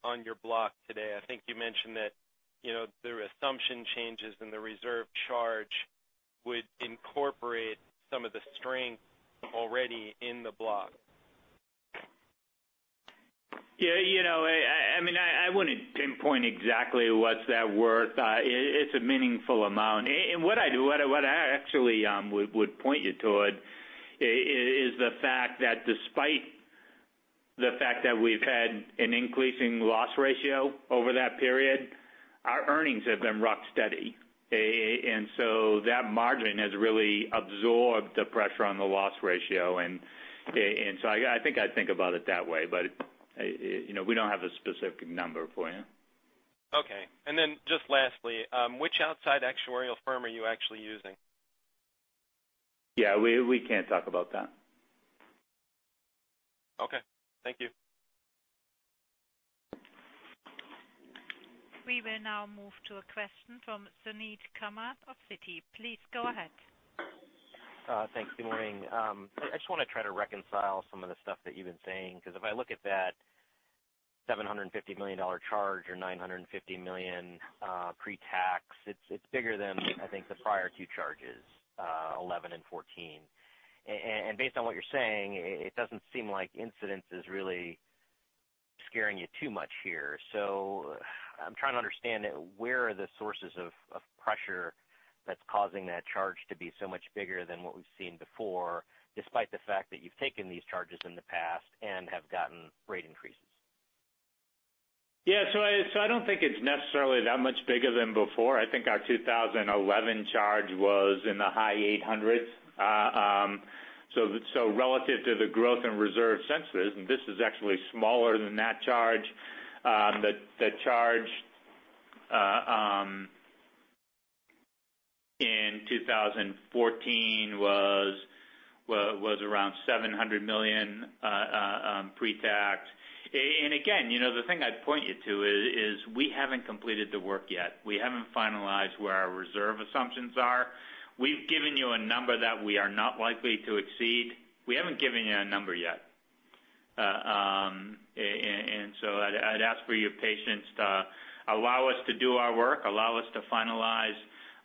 on your block today? I think you mentioned that the assumption changes in the reserve charge would incorporate some of the strength already in the block. I wouldn't pinpoint exactly what's that worth. It's a meaningful amount. What I actually would point you toward is the fact that despite the fact that we've had an increasing loss ratio over that period, our earnings have been rock steady. That margin has really absorbed the pressure on the loss ratio. I think I'd think about it that way, we don't have a specific number for you. Okay. Then just lastly, which outside actuarial firm are you actually using? Yeah, we can't talk about that. Okay. Thank you. We will now move to a question from Suneet Kamath of Citi. Please go ahead. Thanks. Good morning. I just want to try to reconcile some of the stuff that you've been saying, because if I look at that $750 million charge or $950 million pre-tax, it's bigger than, I think, the prior two charges, 2011 and 2014. Based on what you're saying, it doesn't seem like incidence is really scaring you too much here. I'm trying to understand where are the sources of pressure that's causing that charge to be so much bigger than what we've seen before, despite the fact that you've taken these charges in the past and have gotten rate increases. Yeah. I don't think it's necessarily that much bigger than before. I think our 2011 charge was in the high $800s. Relative to the growth in reserve census, this is actually smaller than that charge. The charge in 2014 was around $700 million pre-tax. Again, the thing I'd point you to is we haven't completed the work yet. We haven't finalized where our reserve assumptions are. We've given you a number that we are not likely to exceed. We haven't given you a number yet. I'd ask for your patience to allow us to do our work, allow us to finalize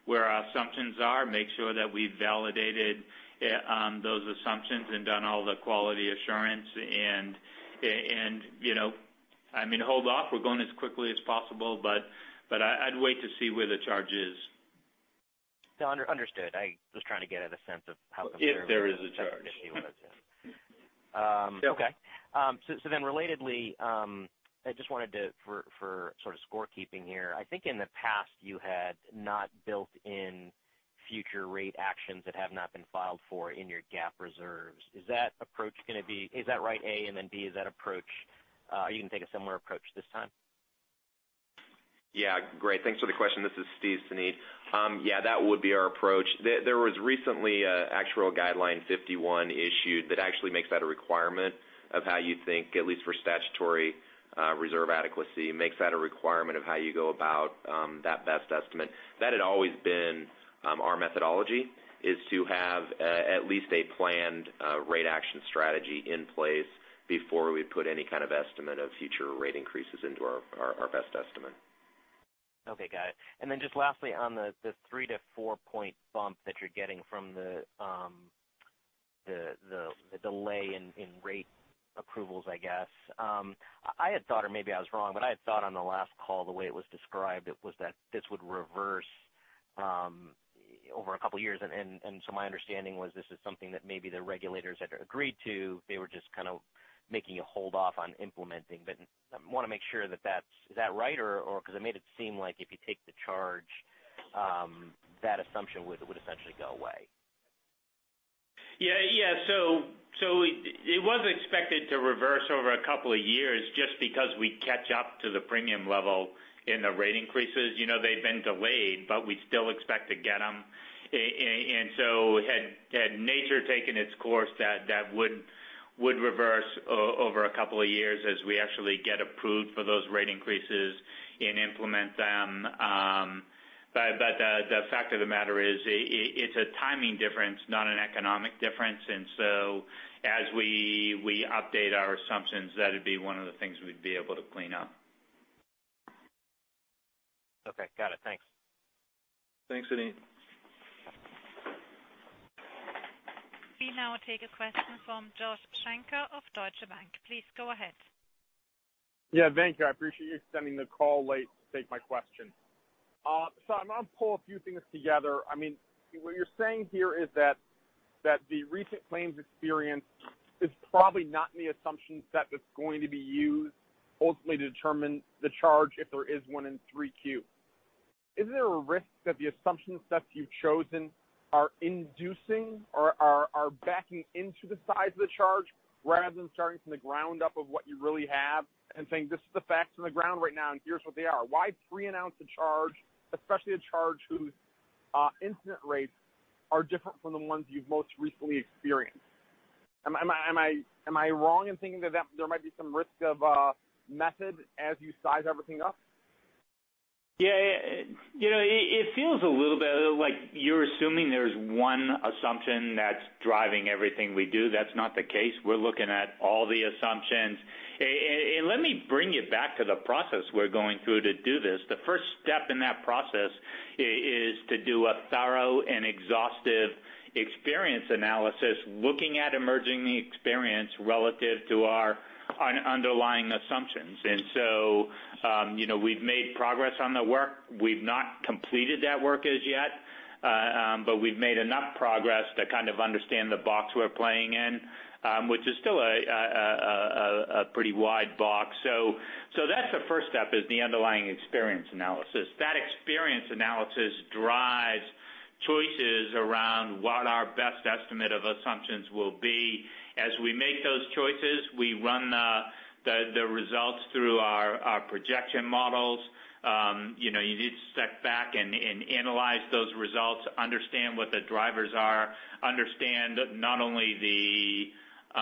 where our assumptions are, make sure that we've validated those assumptions and done all the quality assurance. I mean, hold off. We're going as quickly as possible, but I'd wait to see where the charge is. Understood. I was trying to get a sense of how concerned- If there is a charge. Okay. Relatedly, I just wanted to, for sort of score keeping here, I think in the past you had not built in future rate actions that have not been filed for in your GAAP reserves. Is that approach going to be, is that right, A? B, is that approach, are you going to take a similar approach this time? Yeah, great. Thanks for the question. This is Steve, Suneet. Yeah, that would be our approach. There was recently a Actuarial Guideline 51 issued that actually makes that a requirement of how you think, at least for statutory reserve adequacy, makes that a requirement of how you go about that best estimate. That had always been our methodology, is to have at least a planned rate action strategy in place before we put any kind of estimate of future rate increases into our best estimate. Okay, got it. Just lastly, on the three to four-point bump that you're getting from the delay in rate approvals, I guess. I had thought, or maybe I was wrong, but I had thought on the last call, the way it was described it was that this would reverse over a couple of years, my understanding was this is something that maybe the regulators had agreed to. They were just kind of making you hold off on implementing. I want to make sure. Is that right, or? Because it made it seem like if you take the charge, that assumption would essentially go away. Yeah. It was expected to reverse over a couple of years just because we catch up to the premium level in the rate increases. They've been delayed, but we still expect to get them. Had nature taken its course, that would reverse over a couple of years as we actually get approved for those rate increases and implement them. The fact of the matter is, it's a timing difference, not an economic difference. As we update our assumptions, that'd be one of the things we'd be able to clean up. Okay. Got it. Thanks. Thanks, Suneet. We now take a question from Joshua Shanker of Deutsche Bank. Please go ahead. Yeah, thank you. I appreciate you extending the call late to take my question. I mean, what you're saying here is that the recent claims experience is probably not in the assumption set that's going to be used ultimately to determine the charge if there is one in 3Q. Isn't there a risk that the assumption sets you've chosen are inducing or are backing into the size of the charge rather than starting from the ground up of what you really have and saying, "This is the facts on the ground right now, and here's what they are." Why preannounce a charge, especially a charge whose incident rates are different from the ones you've most recently experienced? Am I wrong in thinking that there might be some risk of method as you size everything up? Yeah. It feels a little bit like you're assuming there's one assumption that's driving everything we do. That's not the case. We're looking at all the assumptions. Let me bring you back to the process we're going through to do this. The first step in that process is to do a thorough and exhaustive experience analysis, looking at emerging experience relative to our underlying assumptions. We've made progress on the work. We've not completed that work as yet. We've made enough progress to kind of understand the box we're playing in, which is still a pretty wide box. That's the first step, is the underlying experience analysis. That experience analysis drives choices around what our best estimate of assumptions will be. As we make those choices, we run the results through our projection models. You need to step back and analyze those results, understand what the drivers are, understand not only the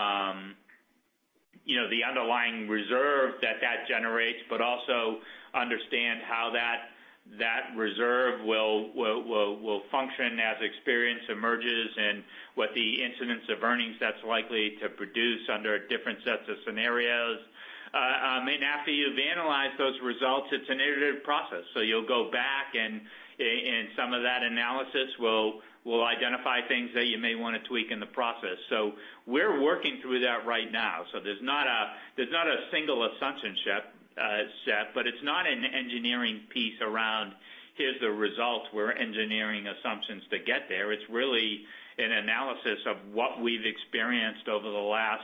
underlying reserve that that generates, but also understand how that reserve will function as experience emerges and what the incidence of earnings that's likely to produce under different sets of scenarios. After you've analyzed those results, it's an iterative process. You'll go back, and some of that analysis will identify things that you may want to tweak in the process. We're working through that right now. There's not a single assumption set, but it's not an engineering piece around here's the results. We're engineering assumptions to get there. It's really an analysis of what we've experienced over the last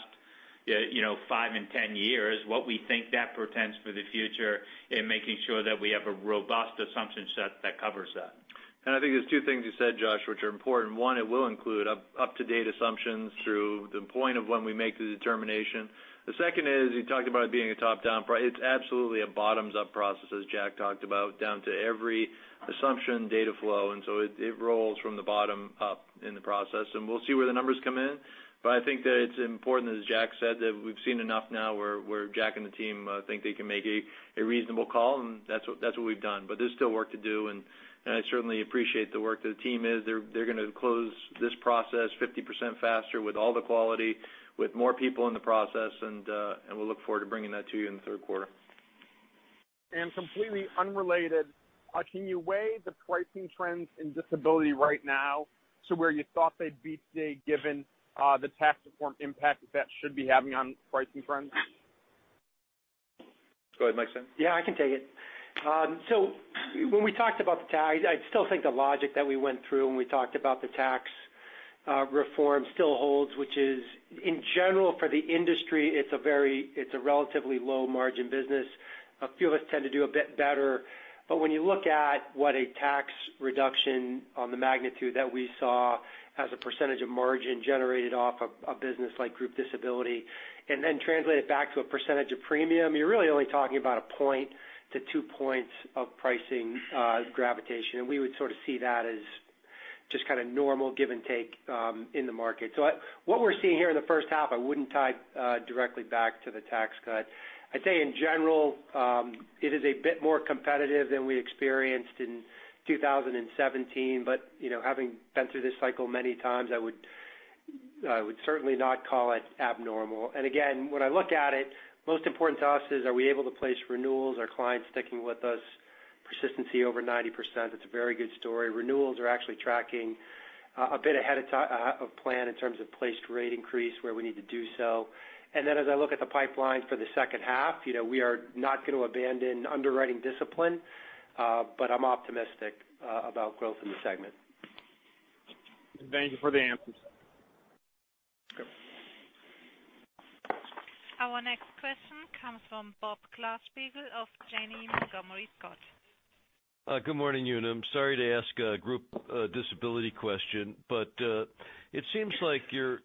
five and 10 years, what we think that portends for the future in making sure that we have a robust assumption set that covers that. I think there's two things you said, Josh, which are important. One, it will include up-to-date assumptions through the point of when we make the determination. The second is, you talked about it being a top-down. It's absolutely a bottoms-up process, as Jack talked about, down to every assumption data flow. It rolls from the bottom up in the process, and we'll see where the numbers come in. I think that it's important, as Jack said, that we've seen enough now where Jack and the team think they can make a reasonable call, and that's what we've done. There's still work to do, and I certainly appreciate the work that the team is. They're going to close this process 50% faster with all the quality, with more people in the process. We look forward to bringing that to you in the third quarter. Completely unrelated, can you weigh the pricing trends in disability right now to where you thought they'd be today given the tax reform impact that that should be having on pricing trends? Go ahead, Mike Simonds. Yeah, I can take it. When we talked about the tax, I still think the logic that we went through when we talked about the tax reform still holds. Which is, in general, for the industry, it's a relatively low margin business. A few of us tend to do a bit better. But when you look at what a tax reduction on the magnitude that we saw as a percentage of margin generated off of a business like group disability, and then translate it back to a percentage of premium, you're really only talking about one point to two points of pricing gravitation. We would sort of see that as just kind of normal give and take in the market. What we're seeing here in the first half, I wouldn't tie directly back to the tax cut. I'd say, in general, it is a bit more competitive than we experienced in 2017. Having been through this cycle many times, I would certainly not call it abnormal. Again, when I look at it, most important to us is, are we able to place renewals? Are clients sticking with us? Persistency over 90%, it's a very good story. Renewals are actually tracking a bit ahead of plan in terms of placed rate increase where we need to do so. As I look at the pipeline for the second half, we are not going to abandon underwriting discipline, but I'm optimistic about growth in the segment. Thank you for the answers. Good. Our next question comes from Robert Glasspiegel of Janney Montgomery Scott. Good morning, Unum. Sorry to ask a group disability question, but it seems like through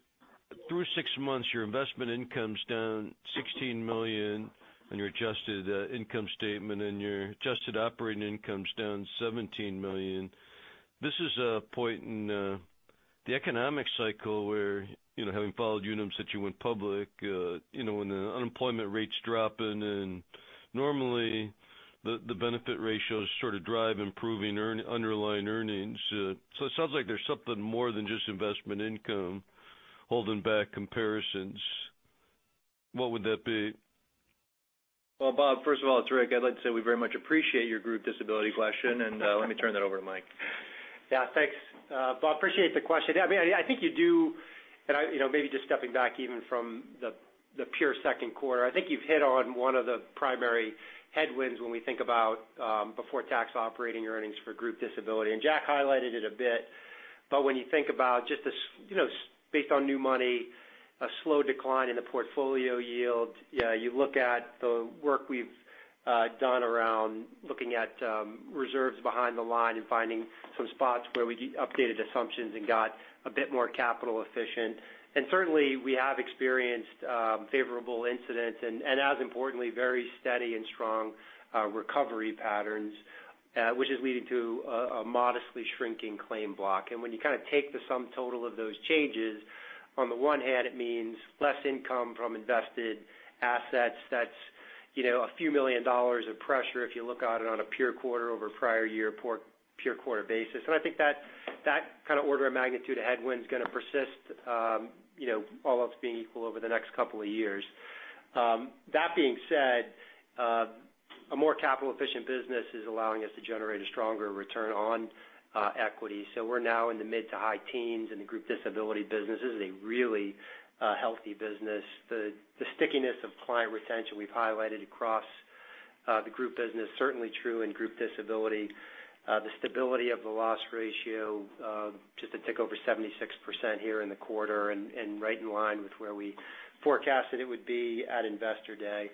six months, your investment income's down $16 million on your adjusted income statement, and your adjusted operating income's down $17 million. This is a point in the economic cycle where, having followed Unum since you went public, when the unemployment rate's dropping and normally the benefit ratios sort of drive improving underlying earnings. It sounds like there's something more than just investment income holding back comparisons. What would that be? Well, Bob, first of all, it's Rick. I'd like to say we very much appreciate your group disability question. Let me turn that over to Mike. Yeah, thanks. Bob, appreciate the question. I think you do, and maybe just stepping back even from the pure second quarter, I think you've hit on one of the primary headwinds when we think about before tax operating earnings for group disability. Jack highlighted it a bit, but when you think about just based on new money, a slow decline in the portfolio yield, you look at the work we've done around looking at reserves behind the line and finding some spots where we updated assumptions and got a bit more capital efficient. Certainly, we have experienced favorable incidence and as importantly, very steady and strong recovery patterns, which is leading to a modestly shrinking claim block. When you kind of take the sum total of those changes, on the one hand, it means less income from invested assets. That's a few million dollars of pressure if you look at it on a pure quarter over prior year pure quarter basis. I think that kind of order of magnitude of headwind's going to persist all else being equal over the next couple of years. That being said, a more capital efficient business is allowing us to generate a stronger return on equity. We're now in the mid to high teens in the group disability business. This is a really healthy business. The stickiness of client retention we've highlighted across the group business, certainly true in group disability. The stability of the loss ratio, just a tick over 76% here in the quarter and right in line with where we forecasted it would be at Investor Day.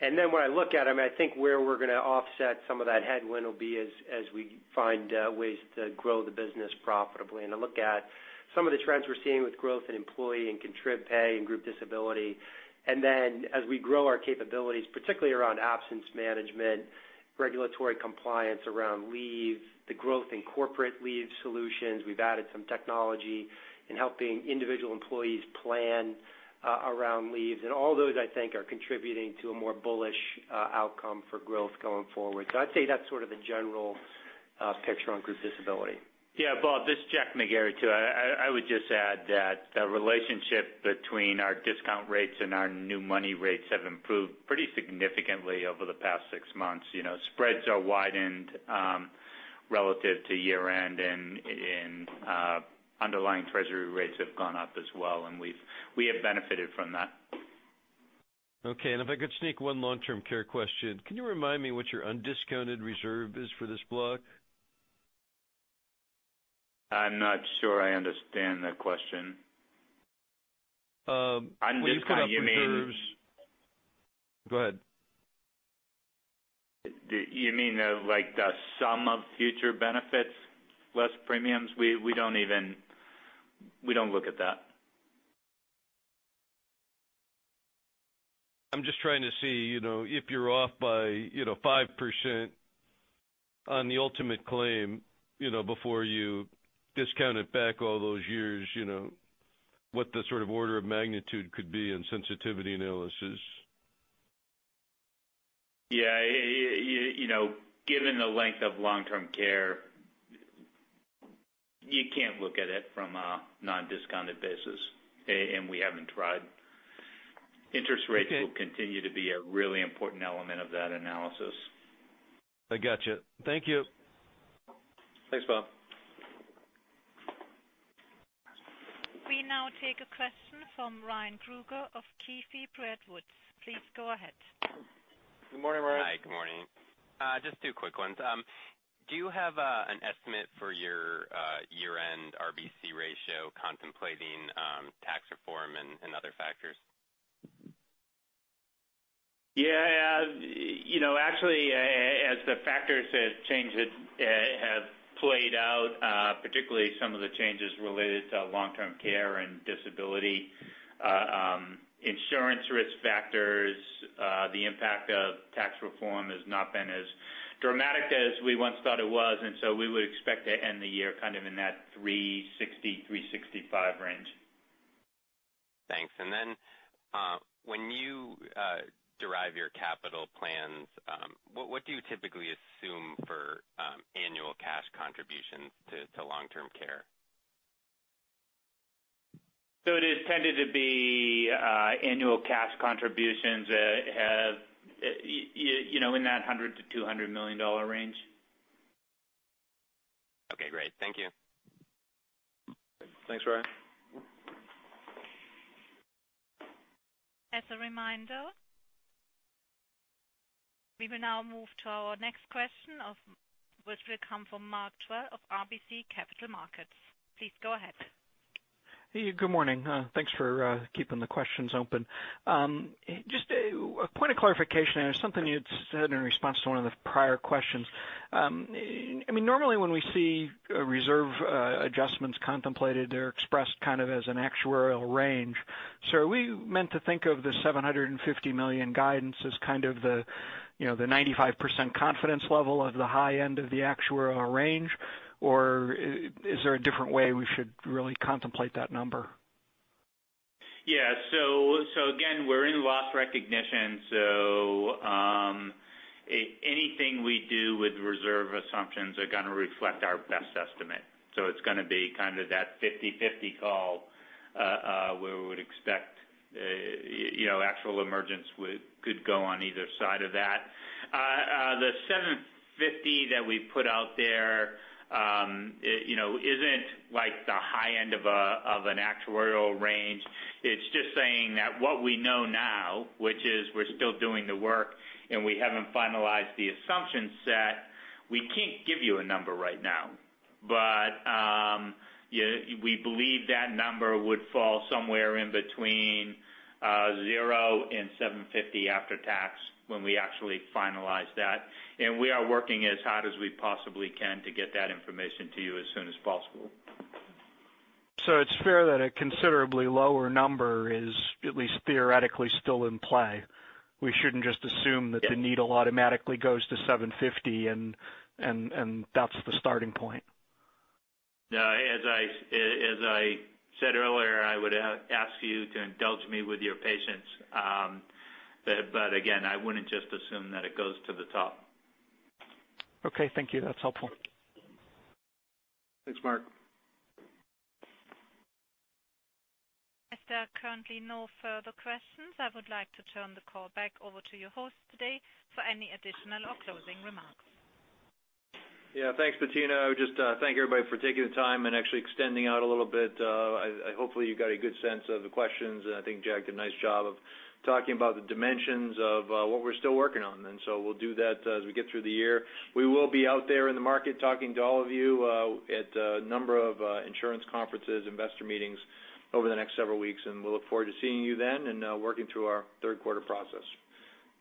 When I look at them, I think where we're going to offset some of that headwind will be as we find ways to grow the business profitably. I look at some of the trends we're seeing with growth in employee and contrib pay and group disability. As we grow our capabilities, particularly around absence management, regulatory compliance around leave, the growth in corporate leave solutions, we've added some technology in helping individual employees plan around leaves. All those I think are contributing to a more bullish outcome for growth going forward. I'd say that's sort of the general picture on group disability. Yeah, Bob, this is Jack McGarry too. I would just add that the relationship between our discount rates and our new money rates have improved pretty significantly over the past six months. Spreads are widened relative to year-end. Underlying Treasury rates have gone up as well. We have benefited from that. Okay, if I could sneak one long-term care question. Can you remind me what your undiscounted reserve is for this block? I'm not sure I understand the question. When you put up reserves- On discounted, you mean- Go ahead. You mean like the sum of future benefits, less premiums? We don't look at that. I'm just trying to see if you're off by 5% on the ultimate claim before you discount it back all those years, what the sort of order of magnitude could be in sensitivity analysis. Yeah. Given the length of long-term care, you can't look at it from a non-discounted basis, and we haven't tried. Okay. Interest rates will continue to be a really important element of that analysis. I got you. Thank you. Thanks, Bob. We now take a question from Ryan Krueger of KeyBanc Capital Markets. Please go ahead. Good morning, Ryan. Hi, good morning. Just two quick ones. Do you have an estimate for your year-end RBC ratio contemplating tax reform and other factors? Yeah. Actually, as the factors have changed, have played out, particularly some of the changes related to long-term care and disability insurance risk factors, the impact of tax reform has not been as dramatic as we once thought it was. We would expect to end the year kind of in that 360, 365 range. Thanks. When you derive your capital plans, what do you typically assume for annual cash contributions to long-term care? It has tended to be annual cash contributions in that $100 million to $200 million range. Okay, great. Thank you. Thanks, Ryan. As a reminder, we will now move to our next question, which will come from Mark Till of RBC Capital Markets. Please go ahead. Hey, good morning. Thanks for keeping the questions open. Just a point of clarification on something you had said in response to one of the prior questions. Normally, when we see reserve adjustments contemplated, they're expressed as an actuarial range. Are we meant to think of the $750 million guidances as kind of the 95% confidence level of the high end of the actuarial range? Or is there a different way we should really contemplate that number? Again, we're in loss recognition, anything we do with reserve assumptions are going to reflect our best estimate. It's going to be kind of that 50/50 call, where we would expect actual emergence could go on either side of that. The 750 that we put out there isn't like the high end of an actuarial range. It's just saying that what we know now, which is we're still doing the work, and we haven't finalized the assumption set. We can't give you a number right now. We believe that number would fall somewhere in between 0 and 750 after tax when we actually finalize that. We are working as hard as we possibly can to get that information to you as soon as possible. It's fair that a considerably lower number is at least theoretically still in play. We shouldn't just assume that Yeah The needle automatically goes to 750 and that's the starting point. As I said earlier, I would ask you to indulge me with your patience. Again, I wouldn't just assume that it goes to the top. Okay, thank you. That's helpful. Thanks, Mark. If there are currently no further questions, I would like to turn the call back over to your host today for any additional or closing remarks. Yeah. Thanks, Bettina. I would just thank everybody for taking the time and actually extending out a little bit. Hopefully you got a good sense of the questions, and I think Jack did a nice job of talking about the dimensions of what we're still working on. So we'll do that as we get through the year. We will be out there in the market talking to all of you at a number of insurance conferences, investor meetings over the next several weeks, and we'll look forward to seeing you then and working through our third quarter process.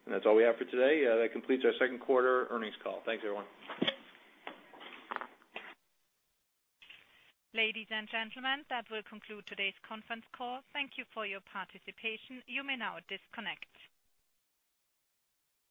That's all we have for today. That completes our second quarter earnings call. Thanks, everyone. Ladies and gentlemen, that will conclude today's conference call. Thank you for your participation. You may now disconnect.